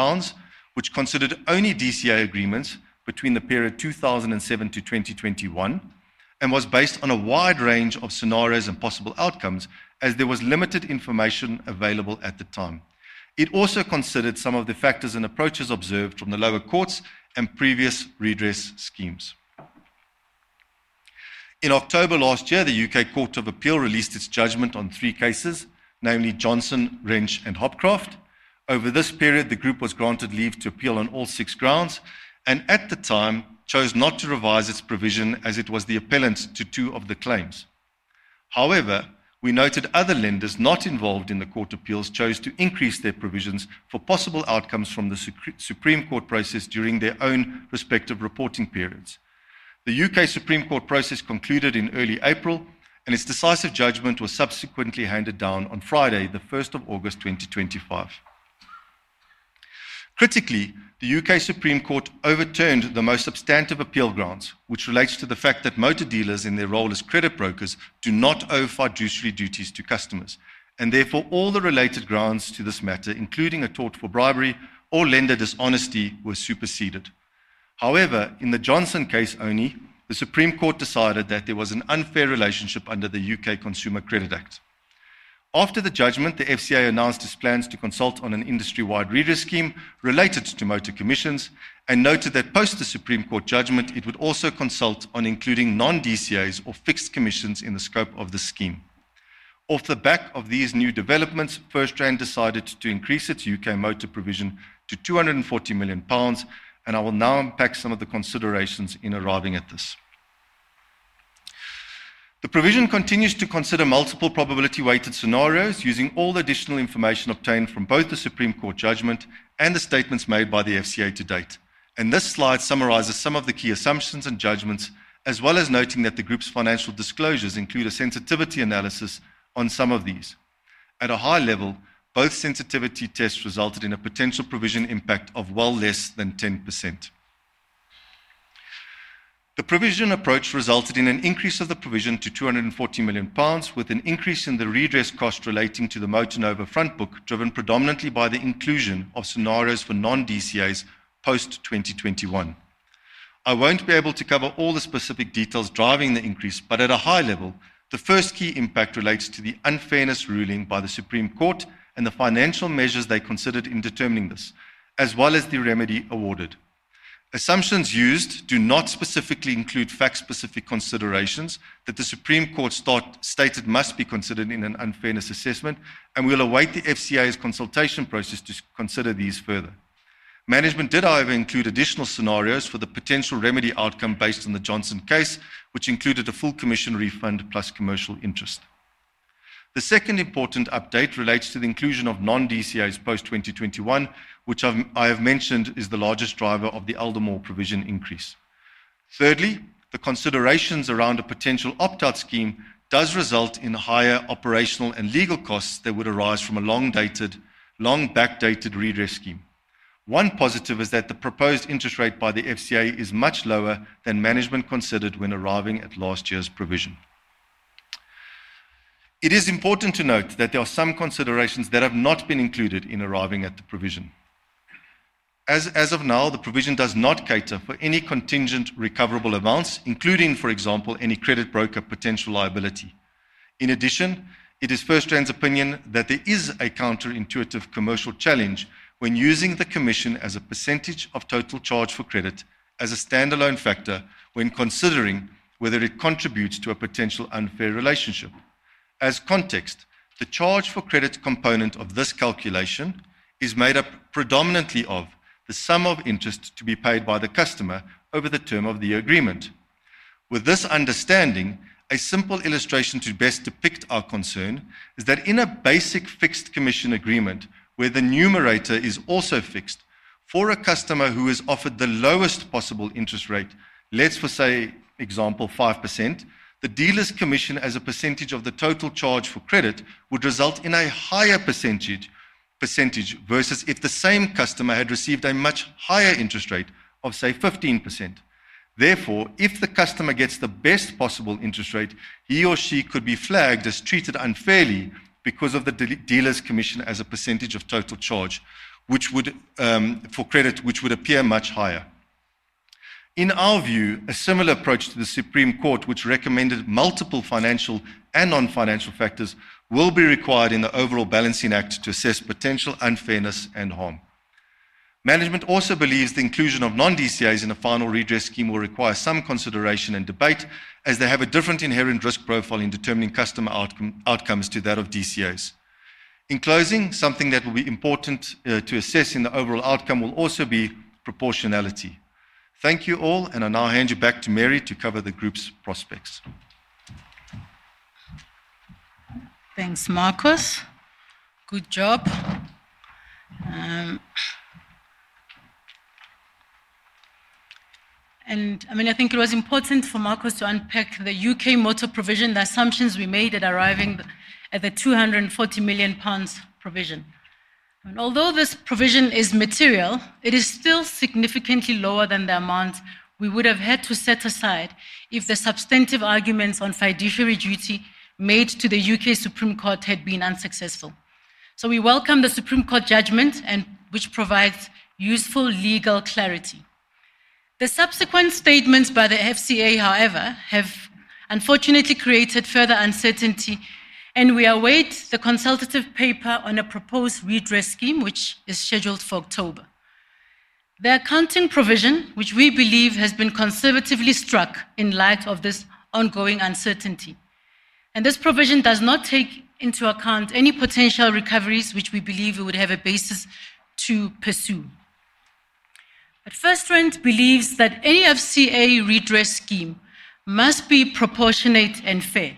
which considered only DCA agreements between the period 2007-2021 and was based on a wide range of scenarios and possible outcomes as there was limited information available at the time. It also considered some of the factors and approaches observed from the lower courts and previous redress schemes. In October last year, the U.K. Court of Appeal released its judgment on three cases, namely Johnson, Wrench, and Hopcroft. Over this period, the group was granted leave to appeal on all six grounds and at the time chose not to revise its provision as it was the appellants to two of the claims. However, we noted other lenders not involved in the court appeals chose to increase their provisions for possible outcomes from the Supreme Court process during their own respective reporting periods. The U.K. Supreme Court process concluded in early April, and its decisive judgment was subsequently handed down on Friday, the 1st of August 2025. Critically, the U.K. Supreme Court overturned the most substantive appeal grounds, which relates to the fact that motor dealers, in their role as credit brokers, do not owe fiduciary duties to customers, and therefore all the related grounds to this matter, including a tort for bribery or lender dishonesty, were superseded. However, in the Johnson case only, the Supreme Court decided that there was an unfair relationship under the U.K. Consumer Credit Act. After the judgment, the FCA announced its plans to consult on an industry-wide redress scheme related to motor commissions and noted that post the Supreme Court judgment, it would also consult on including non-DCAs or fixed commissions in the scope of the scheme. Off the back of these new developments, FirstRand decided to increase its U.K. motor provision to £240 million, and I will now unpack some of the considerations in arriving at this. The provision continues to consider multiple probability-weighted scenarios using all additional information obtained from both the Supreme Court judgment and the statements made by the FCA to date, and this slide summarizes some of the key assumptions and judgments, as well as noting that the group's financial disclosures include a sensitivity analysis on some of these. At a high level, both sensitivity tests resulted in a potential provision impact of well less than 10%. The provision approach resulted in an increase of the provision to £240 million, with an increase in the redress cost relating to the motor and over front book, driven predominantly by the inclusion of scenarios for non-DCAs post-2021. I won't be able to cover all the specific details driving the increase, but at a high level, the first key impact relates to the unfairness ruling by the Supreme Court and the financial measures they considered in determining this, as well as the remedy awarded. Assumptions used do not specifically include fact-specific considerations that the Supreme Court stated must be considered in an unfairness assessment, and we'll await the FCA's consultation process to consider these further. Management did, however, include additional scenarios for the potential remedy outcome based on the Johnson case, which included a full commission refund plus commercial interest. The second important update relates to the inclusion of non-DCAs post-2021, which I have mentioned is the largest driver of the Aldermore provision increase. Thirdly, the considerations around a potential opt-out scheme do result in higher operational and legal costs that would arise from a long-backed dated redress scheme. One positive is that the proposed interest rate by the FCA is much lower than management considered when arriving at last year's provision. It is important to note that there are some considerations that have not been included in arriving at the provision. As of now, the provision does not cater for any contingent recoverable amounts, including, for example, any credit broker potential liability. In addition, it is FirstRand's opinion that there is a counterintuitive commercial challenge when using the commission as a percentage of total charge for credit as a standalone factor when considering whether it contributes to a potential unfair relationship. As context, the charge for credit component of this calculation is made up predominantly of the sum of interest to be paid by the customer over the term of the agreement. With this understanding, a simple illustration to best depict our concern is that in a basic fixed commission agreement where the numerator is also fixed, for a customer who is offered the lowest possible interest rate, let's say, for example, 5%, the dealer's commission as a percentage of the total charge for credit would result in a higher percentage versus if the same customer had received a much higher interest rate of, say, 15%. Therefore, if the customer gets the best possible interest rate, he or she could be flagged as treated unfairly because of the dealer's commission as a percentage of total charge for credit, which would appear much higher. In our view, a similar approach to the Supreme Court, which recommended multiple financial and non-financial factors, will be required in the overall balancing act to assess potential unfairness and harm. Management also believes the inclusion of non-DCAs in a final redress scheme will require some consideration and debate, as they have a different inherent risk profile in determining customer outcomes to that of DCAs. In closing, something that will be important to assess in the overall outcome will also be proportionality. Thank you all, and I'll now hand you back to Mary to cover the group's prospects. Thanks, Markos. Good job. I think it was important for Markos to unpack the U.K. motor provision, the assumptions we made at arriving at the £240 million provision. Although this provision is material, it is still significantly lower than the amount we would have had to set aside if the substantive arguments on fiduciary duty made to the U.K. Supreme Court had been unsuccessful. We welcome the Supreme Court judgment, which provides useful legal clarity. The subsequent statements by the FCA, however, have unfortunately created further uncertainty, and we await the consultative paper on a proposed redress scheme, which is scheduled for October. The accounting provision, which we believe has been conservatively struck in light of this ongoing uncertainty, does not take into account any potential recoveries, which we believe it would have a basis to pursue. FirstRand believes that any FCA redress scheme must be proportionate and fair.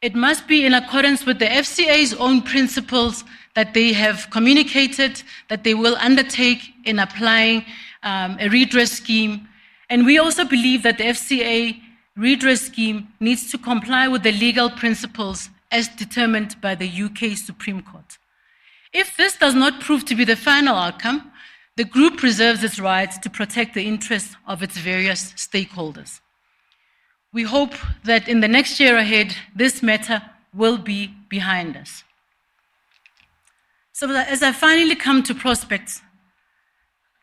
It must be in accordance with the FCA's own principles that they have communicated that they will undertake in applying a redress scheme. We also believe that the FCA redress scheme needs to comply with the legal principles as determined by the U.K. Supreme Court. If this does not prove to be the final outcome, the group preserves its right to protect the interests of its various stakeholders. We hope that in the next year ahead, this matter will be behind us. As I finally come to prospects,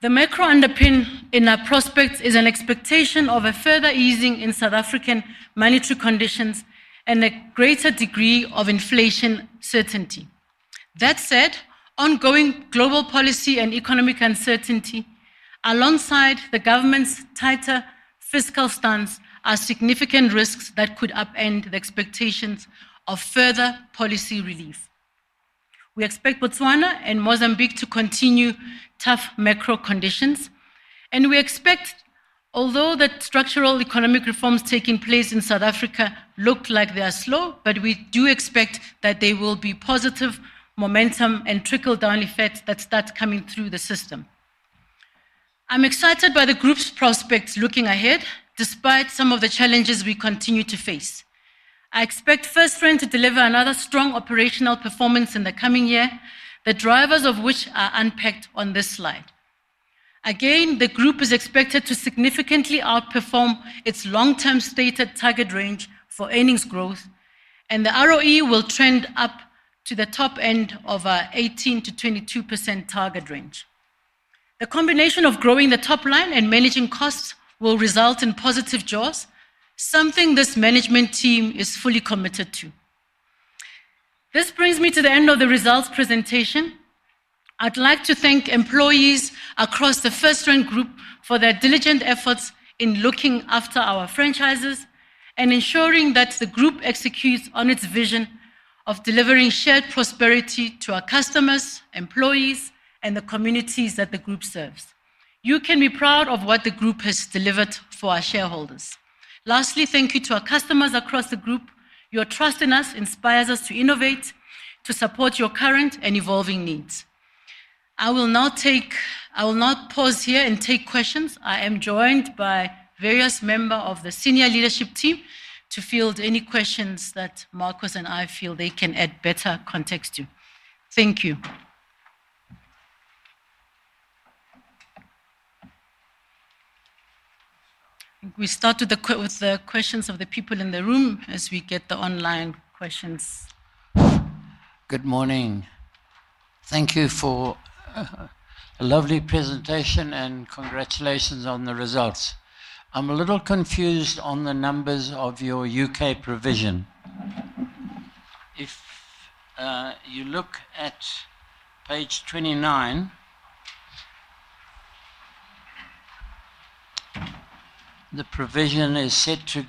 the macro underpinning in our prospects is an expectation of a further easing in South African monetary conditions and a greater degree of inflation certainty. That said, ongoing global policy and economic uncertainty, alongside the government's tighter fiscal stance, are significant risks that could upend the expectations of further policy relief. We expect Botswana and Mozambique to continue tough macro conditions, and we expect, although the structural economic reforms taking place in South Africa look like they are slow, that there will be positive momentum and trickle-down effect that starts coming through the system. I'm excited by the group's prospects looking ahead, despite some of the challenges we continue to face. I expect FirstRand to deliver another strong operational performance in the coming year, the drivers of which are unpacked on this slide. Again, the group is expected to significantly outperform its long-term stated target range for earnings growth, and the ROE will trend up to the top end of our 18%-22% target range. The combination of growing the top line and managing costs will result in positive jaws, something this management team is fully committed to. This brings me to the end of the results presentation. I'd like to thank employees across the FirstRand group for their diligent efforts in looking after our franchises and ensuring that the group executes on its vision of delivering shared prosperity to our customers, employees, and the communities that the group serves. You can be proud of what the group has delivered for our shareholders. Lastly, thank you to our customers across the group. Your trust in us inspires us to innovate, to support your current and evolving needs. I will now pause here and take questions. I am joined by various members of the senior leadership team to field any questions that Markos and I feel they can add better context to. Thank you. I think we start with the questions of the people in the room as we get the online questions. Good morning. Thank you for a lovely presentation and congratulations on the results. I'm a little confused on the numbers of your U.K. provision. If you look at page 29, the provision is set to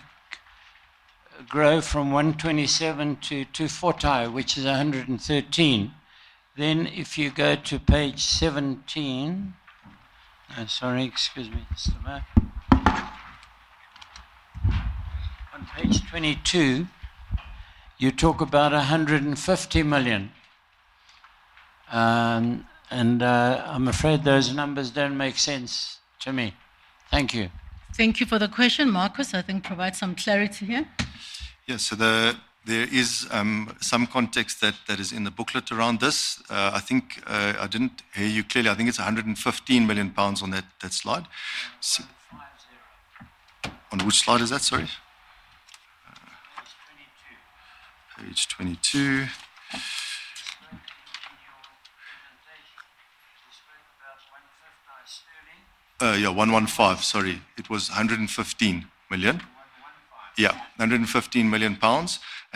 grow from £127 million-£240 million, which is £113 million. If you go to page 17, excuse me, just a moment. On page 22, you talk about £150 million, and I'm afraid those numbers don't make sense to me. Thank you. Thank you for the question, Markos. I think provide some clarity here. Yes, so there is some context that is in the booklet around this. I think I didn't hear you clearly. I think it's £115 million on that slide. On which slide is that, sorry? Page 22. Yeah, £115 million, sorry. It was £115 million. Yeah, £115 million.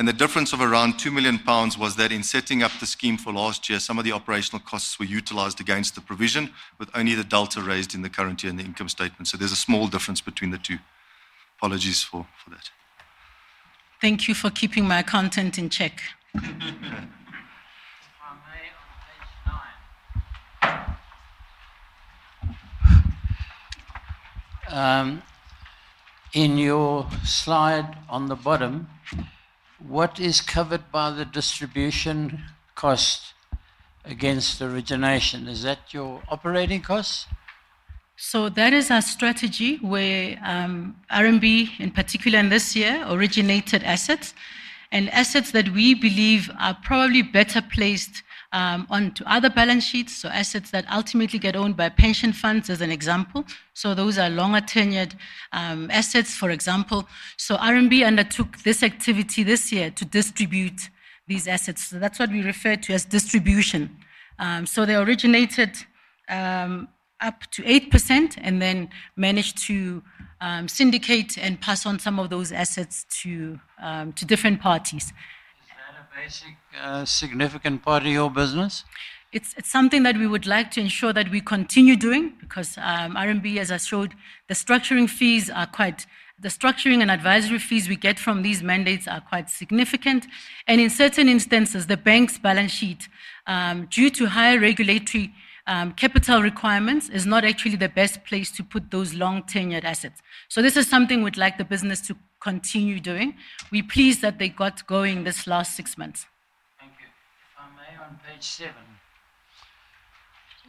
The difference of around £2 million was that in setting up the scheme for last year, some of the operational costs were utilized against the provision, with only the delta raised in the current year in the income statement. There's a small difference between the two. Apologies for that. Thank you for keeping my content in check. In your slide on the bottom, what is covered by the distribution cost against origination? Is that your operating costs? That is our strategy where RMB, in particular in this year, originated assets, and assets that we believe are probably better placed onto other balance sheets, so assets that ultimately get owned by pension funds as an example. Those are longer tenured assets, for example. RMB undertook this activity this year to distribute these assets. That's what we refer to as distribution. They originated up to 8% and then managed to syndicate and pass on some of those assets to different parties. Is that a significant part of your business? It's something that we would like to ensure that we continue doing because RMB, as I showed, the structuring fees are quite, the structuring and advisory fees we get from these mandates are quite significant. In certain instances, the bank's balance sheet, due to high regulatory capital requirements, is not actually the best place to put those long tenured assets. This is something we'd like the business to continue doing. We're pleased that they got going this last six months.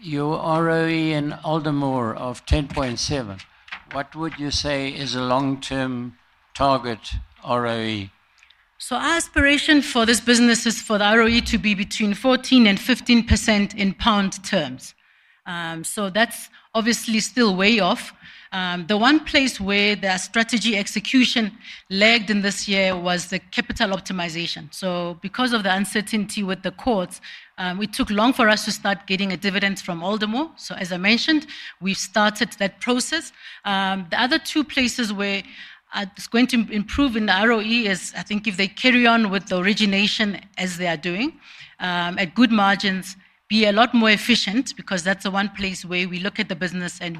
Your ROE in Aldermore of 10.7%. What would you say is a long-term target ROE? Our aspiration for this business is for the ROE to be between 14% and 15% in pound terms. That's obviously still way off. The one place where their strategy execution lagged in this year was the capital optimization. Because of the uncertainty with the courts, it took long for us to start getting a dividend from Aldermore. As I mentioned, we've started that process. The other two places where it's going to improve in the ROE are, I think if they carry on with the origination as they are doing, at good margins, be a lot more efficient because that's the one place where we look at the business and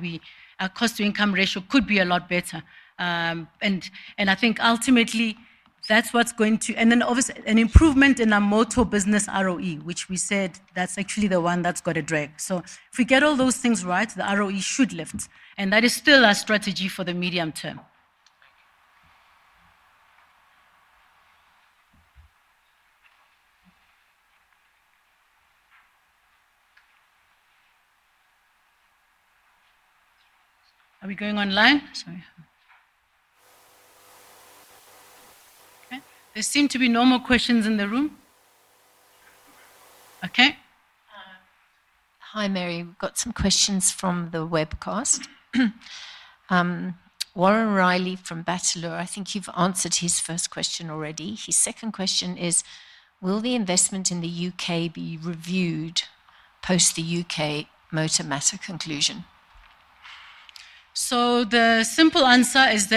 our cost-to-income ratio could be a lot better. I think ultimately that's what's going to, and obviously an improvement in our motor business ROE, which we said that's actually the one that's got a drag. If we get all those things right, the ROE should lift. That is still our strategy for the medium term. Are we going on live? Sorry. There seem to be no more questions in the room. Okay. Hi, Mary. We've got some questions from the webcast. Warren Riley from Batulur, I think you've answered his first question already. His second question is, will the investment in the U.K. be reviewed post the U.K. motor matter conclusion?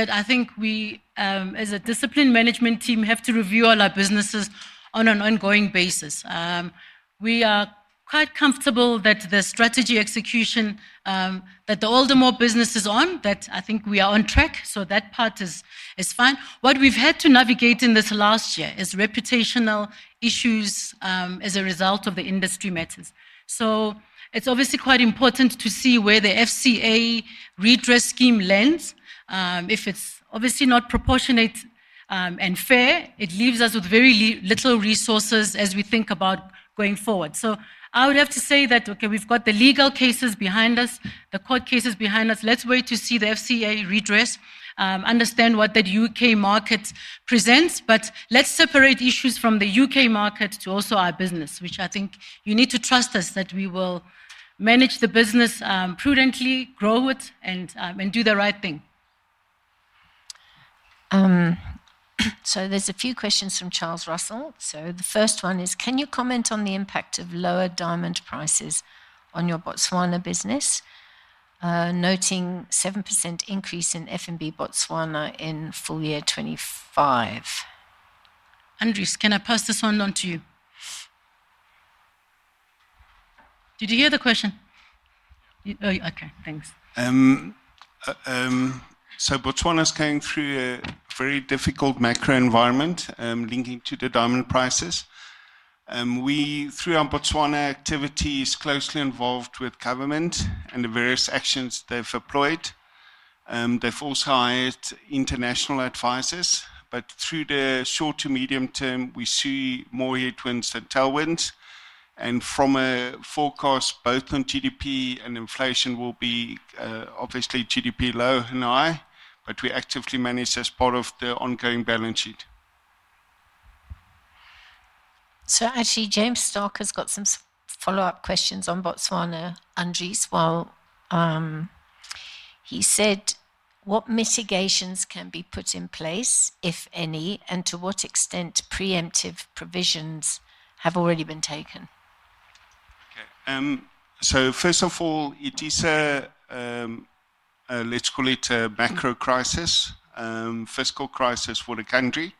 I think we, as a disciplined management team, have to review all our businesses on an ongoing basis. We are quite comfortable that the strategy execution that the Aldermore business is on, that I think we are on track. That part is fine. What we've had to navigate in this last year is reputational issues as a result of the industry matters. It's obviously quite important to see where the FCA redress scheme lands. If it's obviously not proportionate and fair, it leaves us with very little resources as we think about going forward. I would have to say that we've got the legal cases behind us, the court cases behind us. Let's wait to see the FCA redress, understand what that U.K. market presents, but let's separate issues from the U.K. market to also our business, which I think you need to trust us that we will manage the business prudently, grow it, and do the right thing. There are a few questions from Charles Russell. The first one is, can you comment on the impact of lower diamond prices on your Botswana business, noting a 7% increase in FNB Botswana in full year 2025? Can I pass this one on to you? Did you hear the question? Okay, thanks. Botswana is going through a very difficult macro environment linking to the diamond prices. We, through our Botswana activity, are closely involved with government and the various actions they've deployed. They've also hired international advisors. Through the short to medium term, we see more headwinds than tailwinds. From a forecast, both on GDP and inflation will be obviously GDP low and high, but we actively manage this part of the ongoing balance sheet. James Stark has got some follow-up questions on Botswana, Andrews, while he said, what mitigations can be put in place, if any, and to what extent preemptive provisions have already been taken? Okay. First of all, it is a, let's call it a macro crisis, a fiscal crisis for the country.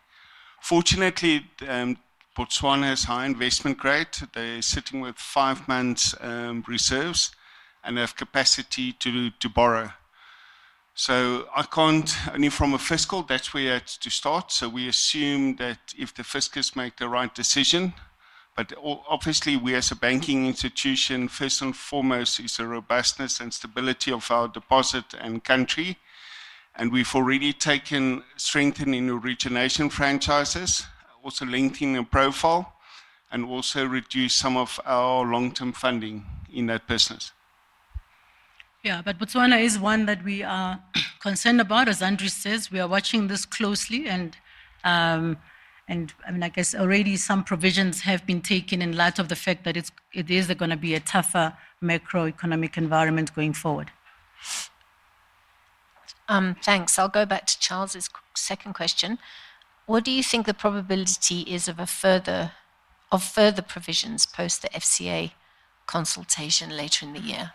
Fortunately, Botswana has a high investment rate. They're sitting with five months' reserves and have capacity to borrow. I can't only from a fiscal, that's where it's to start. We assume that if the fiscals make the right decision, obviously we as a banking institution, first and foremost, focus on the robustness and stability of our deposit and country. We've already taken steps strengthening origination franchises, also linking the profile, and also reduced some of our long-term funding in that business. Yeah, Botswana is one that we are concerned about. As Andrew says, we are watching this closely, and I mean, I guess already some provisions have been taken in light of the fact that it is going to be a tougher macroeconomic environment going forward. Thanks. I'll go back to Charles's second question. What do you think the probability is of further provisions post the FCA consultation later in the year?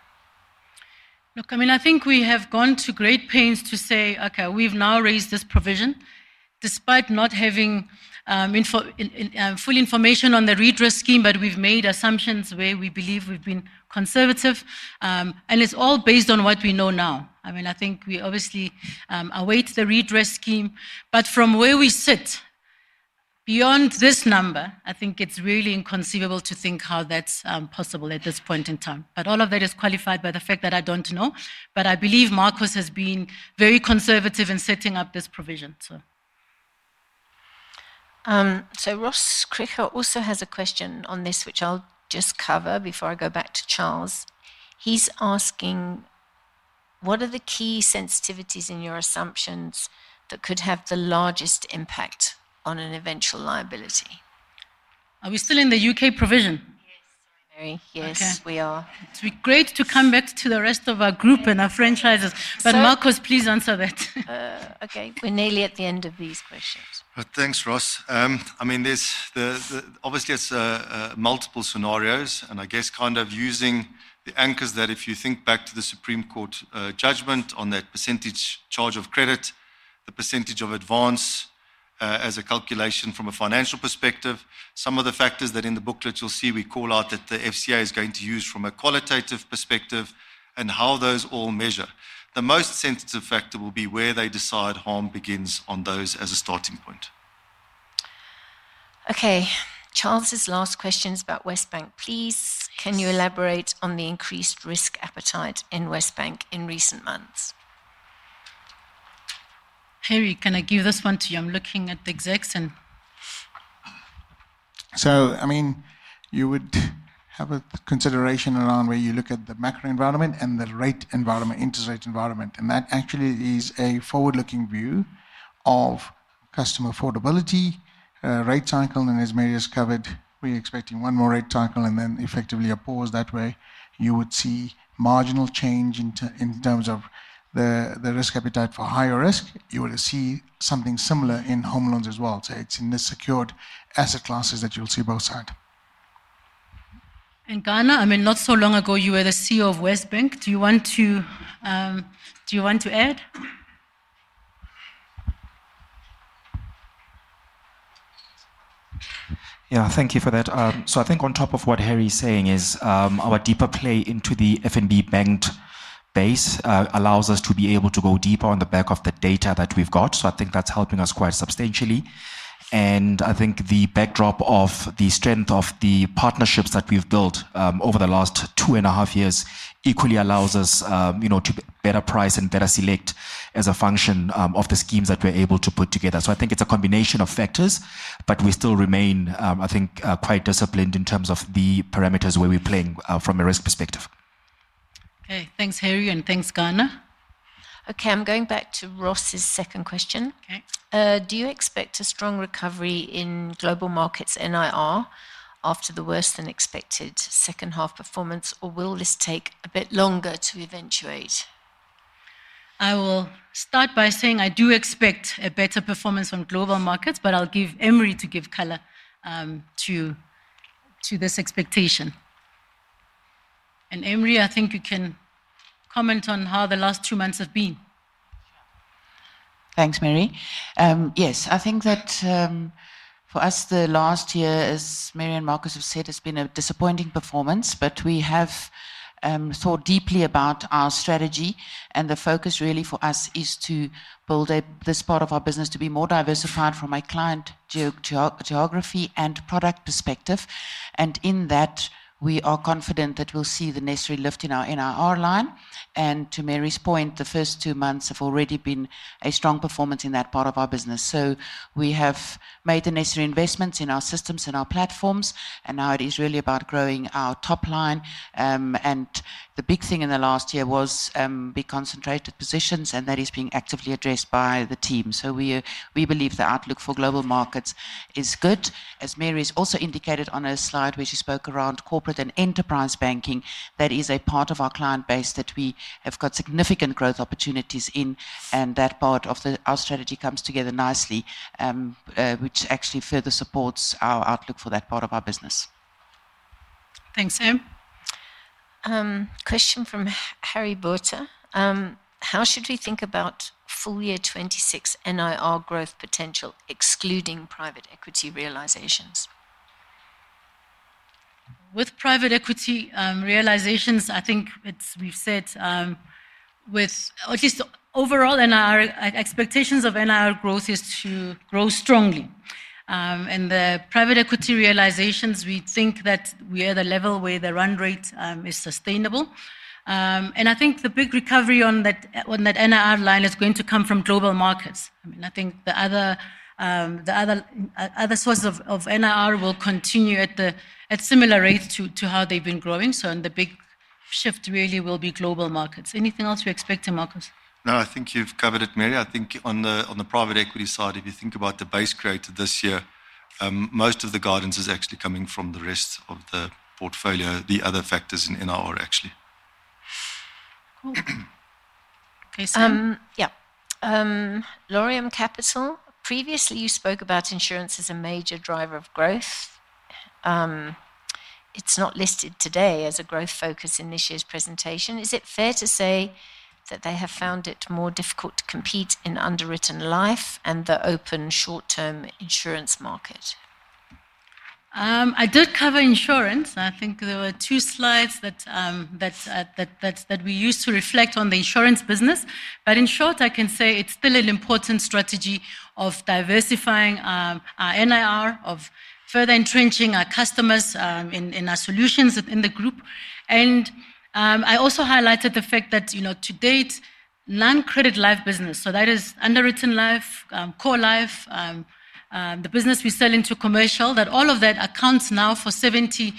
Look, I mean, I think we have gone to great pains to say, okay, we've now raised this provision despite not having full information on the redress scheme. We've made assumptions where we believe we've been conservative, and it's all based on what we know now. I mean, I think we obviously await the redress scheme. From where we sit, beyond this number, I think it's really inconceivable to think how that's possible at this point in time. All of that is qualified by the fact that I don't know, but I believe Markos has been very conservative in setting up this provision. Ross Crichow also has a question on this, which I'll just cover before I go back to Charles. He's asking, what are the key sensitivities in your assumptions that could have the largest impact on an eventual liability? Are we still in the U.K. provision? Mary, yes, we are. It would be great to come back to the rest of our group and our franchises, but Markos, please answer that. Okay, we're nearly at the end of these questions. Thanks, Ross. There's obviously multiple scenarios, and I guess kind of using the anchors that if you think back to the Supreme Court judgment on that percentage charge of credit, the percentage of advance as a calculation from a financial perspective, some of the factors that in the booklet you'll see, we call out that the FCA is going to use from a qualitative perspective and how those all measure. The most sensitive factor will be where they decide harm begins on those as a starting point. Okay, Charles's last question is about Westbank. Please, can you elaborate on the increased risk appetite in Westbank in recent months? Harry, can I give this one to you? I'm looking at the execs. You would have a consideration around where you look at the macro environment and the rate environment, interest rate environment, and that actually is a forward-looking view of customer affordability, rate cycle, and as Mary has covered, we're expecting one more rate cycle and then effectively oppose that way. You would see marginal change in terms of the risk appetite for higher risk. You would see something similar in home loans as well. It's in the secured asset classes that you'll see both sides. Ghana, I mean, not so long ago you were the CEO of Westbank. Do you want to add? Thank you for that. I think on top of what Harry is saying, our deeper play into the FNB banked base allows us to be able to go deeper on the back of the data that we've got. I think that's helping us quite substantially. The backdrop of the strength of the partnerships that we've built over the last two and a half years equally allows us to better price and better select as a function of the schemes that we're able to put together. I think it's a combination of factors, but we still remain, I think, quite disciplined in terms of the parameters where we're playing from a risk perspective. Okay, thanks Harry, and thanks Ghana. Okay, I'm going back to Ross's second question. Do you expect a strong recovery in global markets NIR after the worse than expected second half performance, or will this take a bit longer to eventuate? I will start by saying I do expect a better performance on global markets, but I'll give Emrie to give color to this expectation. Emrie, I think you can comment on how the last two months have been. Thanks, Mary. Yes, I think that for us, the last year, as Mary and Markos have said, has been a disappointing performance. We have thought deeply about our strategy, and the focus really for us is to build this part of our business to be more diversified from a client geography and product perspective. In that, we are confident that we'll see the necessary lift in our NIR line. To Mary's point, the first two months have already been a strong performance in that part of our business. We have made the necessary investments in our systems and our platforms, and now it is really about growing our top line. The big thing in the last year was big concentrated positions, and that is being actively addressed by the team. We believe the outlook for global markets is good. As Mary has also indicated on her slide, where she spoke around corporate and enterprise banking, that is a part of our client base that we have got significant growth opportunities in, and that part of our strategy comes together nicely, which actually further supports our outlook for that part of our business. Thanks, Em. Question from Harry Botha. How should we think about full-year 2026 NIR growth potential, excluding private equity realizations? With private equity realizations, I think we've said, or at least overall, our expectations of NIR growth is to grow strongly. The private equity realizations, we think that we are at a level where the run rate is sustainable. I think the big recovery on that NIR line is going to come from global markets. I mean, I think the other sources of NIR will continue at similar rates to how they've been growing. The big shift really will be global markets. Anything else you're expecting, Markos? No, I think you've covered it, Mary. I think on the private equity side, if you think about the base created this year, most of the guidance is actually coming from the rest of the portfolio, the other factors in NIR, actually. Okay, so, yeah. Loriam Capital, previously, you spoke about insurance as a major driver of growth. It's not listed today as a growth focus in this year's presentation. Is it fair to say that they have found it more difficult to compete in underwritten life and the open short-term insurance market? I did cover insurance. I think there were two slides that we used to reflect on the insurance business. In short, I can say it's still an important strategy of diversifying our NIR, of further entrenching our customers in our solutions within the group. I also highlighted the fact that, you know, to date, non-credit life business, so that is underwritten life, core life, the business we sell into commercial, that all of that accounts now for 75%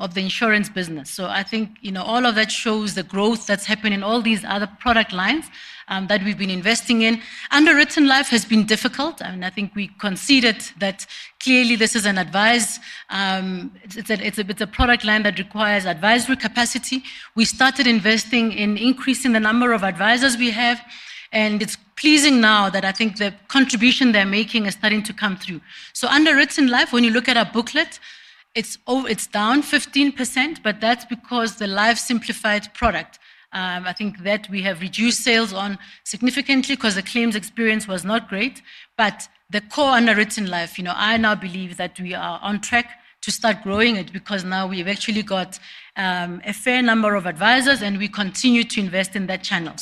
of the insurance business. I think, you know, all of that shows the growth that's happened in all these other product lines that we've been investing in. Underwritten life has been difficult. I think we conceded that clearly this is a product line that requires advisory capacity. We started investing in increasing the number of advisors we have. It's pleasing now that I think the contribution they're making is starting to come through. Underwritten life, when you look at our booklet, it's down 15%, but that's because the life simplified product, I think that we have reduced sales on significantly because the claims experience was not great. The core underwritten life, you know, I now believe that we are on track to start growing it because now we've actually got a fair number of advisors, and we continue to invest in that channel.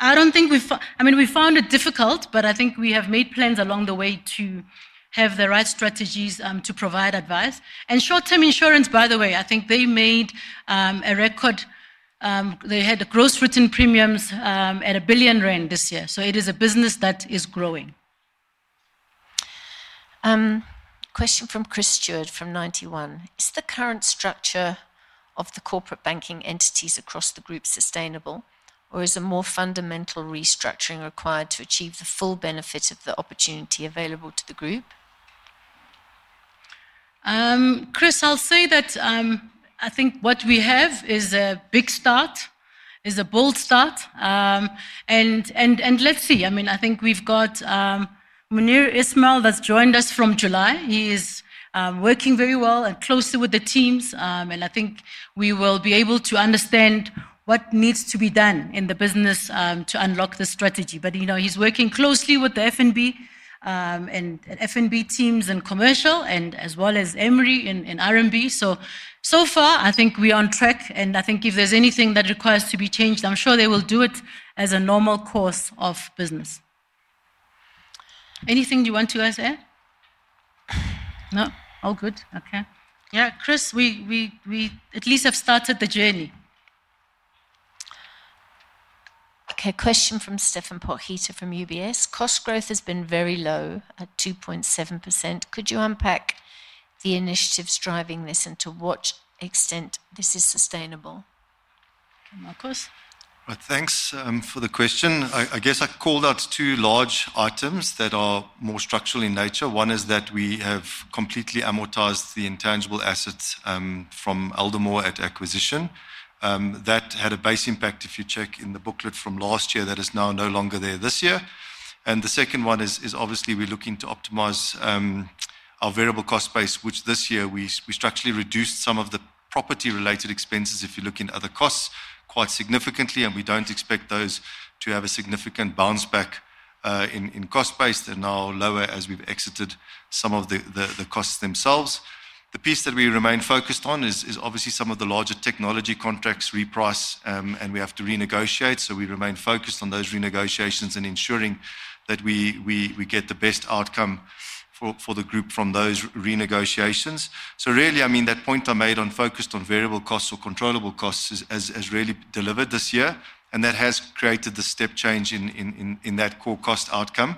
I don't think we've, I mean, we found it difficult, but I think we have made plans along the way to have the right strategies to provide advice. Short-term insurance, by the way, I think they made a record. They had gross written premiums at R1 billion this year. It is a business that is growing. Question from Chris Stewart from 1991. Is the current structure of the corporate banking entities across the group sustainable, or is a more fundamental restructuring required to achieve the full benefit of the opportunity available to the group? Chris, I'll say that I think what we have is a big start, is a bold start. Let's see. I mean, I think we've got Munir Ismail that's joined us from July. He is working very well and closely with the teams. I think we will be able to understand what needs to be done in the business to unlock the strategy. You know, he's working closely with the FNB and FNB teams in commercial, as well as Emrie in RMB. So far, I think we're on track. I think if there's anything that requires to be changed, I'm sure they will do it as a normal course of business. Anything you want to add, Sarah? No, all good. Okay. Yeah, Chris, we at least have started the journey. Okay, question from Stefan Pohita from UBS. Cost growth has been very low at 2.7%. Could you unpack the initiatives driving this and to what extent this is sustainable? Markos? Thanks for the question. I guess I'd call that two large items that are more structural in nature. One is that we have completely amortized the intangible assets from Aldermore at acquisition. That had a base impact, if you check in the booklet from last year, that is now no longer there this year. The second one is obviously we're looking to optimize our variable cost base, which this year we structurally reduced some of the property-related expenses, if you look in other costs, quite significantly. We don't expect those to have a significant bounce back in cost base. They're now lower as we've exited some of the costs themselves. The piece that we remain focused on is obviously some of the larger technology contracts reprice, and we have to renegotiate. We remain focused on those renegotiations and ensuring that we get the best outcome for the group from those renegotiations. That point I made on focused on variable costs or controllable costs has really delivered this year. That has created the step change in that core cost outcome.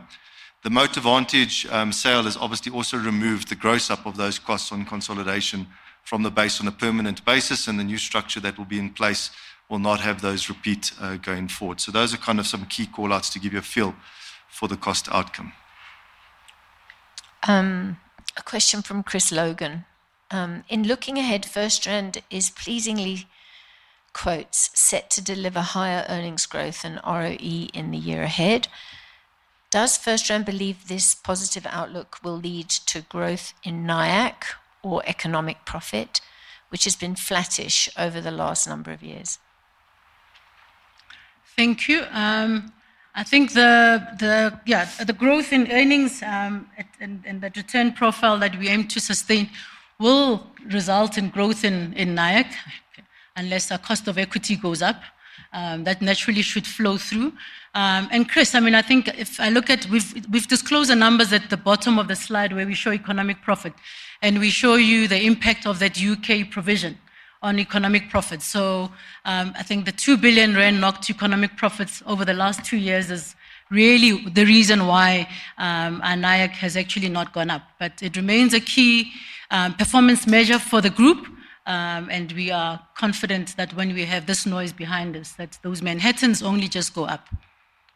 The Motor Vantage sale has obviously also removed the gross up of those costs on consolidation from the base on a permanent basis. The new structure that will be in place will not have those repeat going forward. Those are kind of some key callouts to give you a feel for the cost outcome. A question from Chris Logan. In looking ahead, FirstRand is pleasingly, quote, set to deliver higher earnings growth and ROE in the year ahead. Does FirstRand believe this positive outlook will lead to growth in NIAAC or economic profit, which has been flattish over the last number of years? Thank you. I think the growth in earnings and that return profile that we aim to sustain will result in growth in NIAAC unless our cost of equity goes up. That naturally should flow through. Chris, I mean, I think if I look at—we've disclosed the numbers at the bottom of the slide where we show economic profit. We show you the impact of that U.K. provision on economic profits. I think the R2 billion knocked economic profits over the last two years is really the reason why our NIAAC has actually not gone up. It remains a key performance measure for the group. We are confident that when we have this noise behind us, those Manhattans only just go up.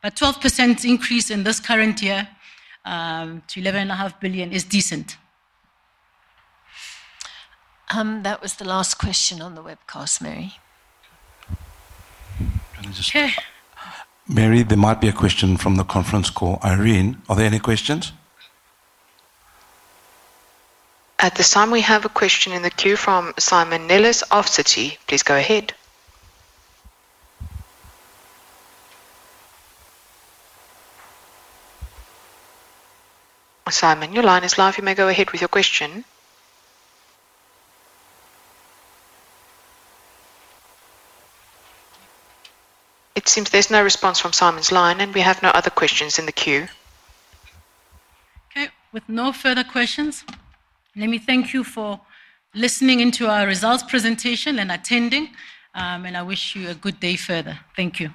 A 12% increase in this current year to R11.5 billion is decent. That was the last question on the webcast, Mary. Okay. Mary, there might be a question from the conference call. Irene, are there any questions? At this time, we have a question in the queue from Simon Nillis of Citi. Please go ahead. Simon, your line is live. You may go ahead with your question. It seems there's no response from Simon's line, and we have no other questions in the queue. Okay, with no further questions, let me thank you for listening into our results presentation and attending. I wish you a good day further. Thank you.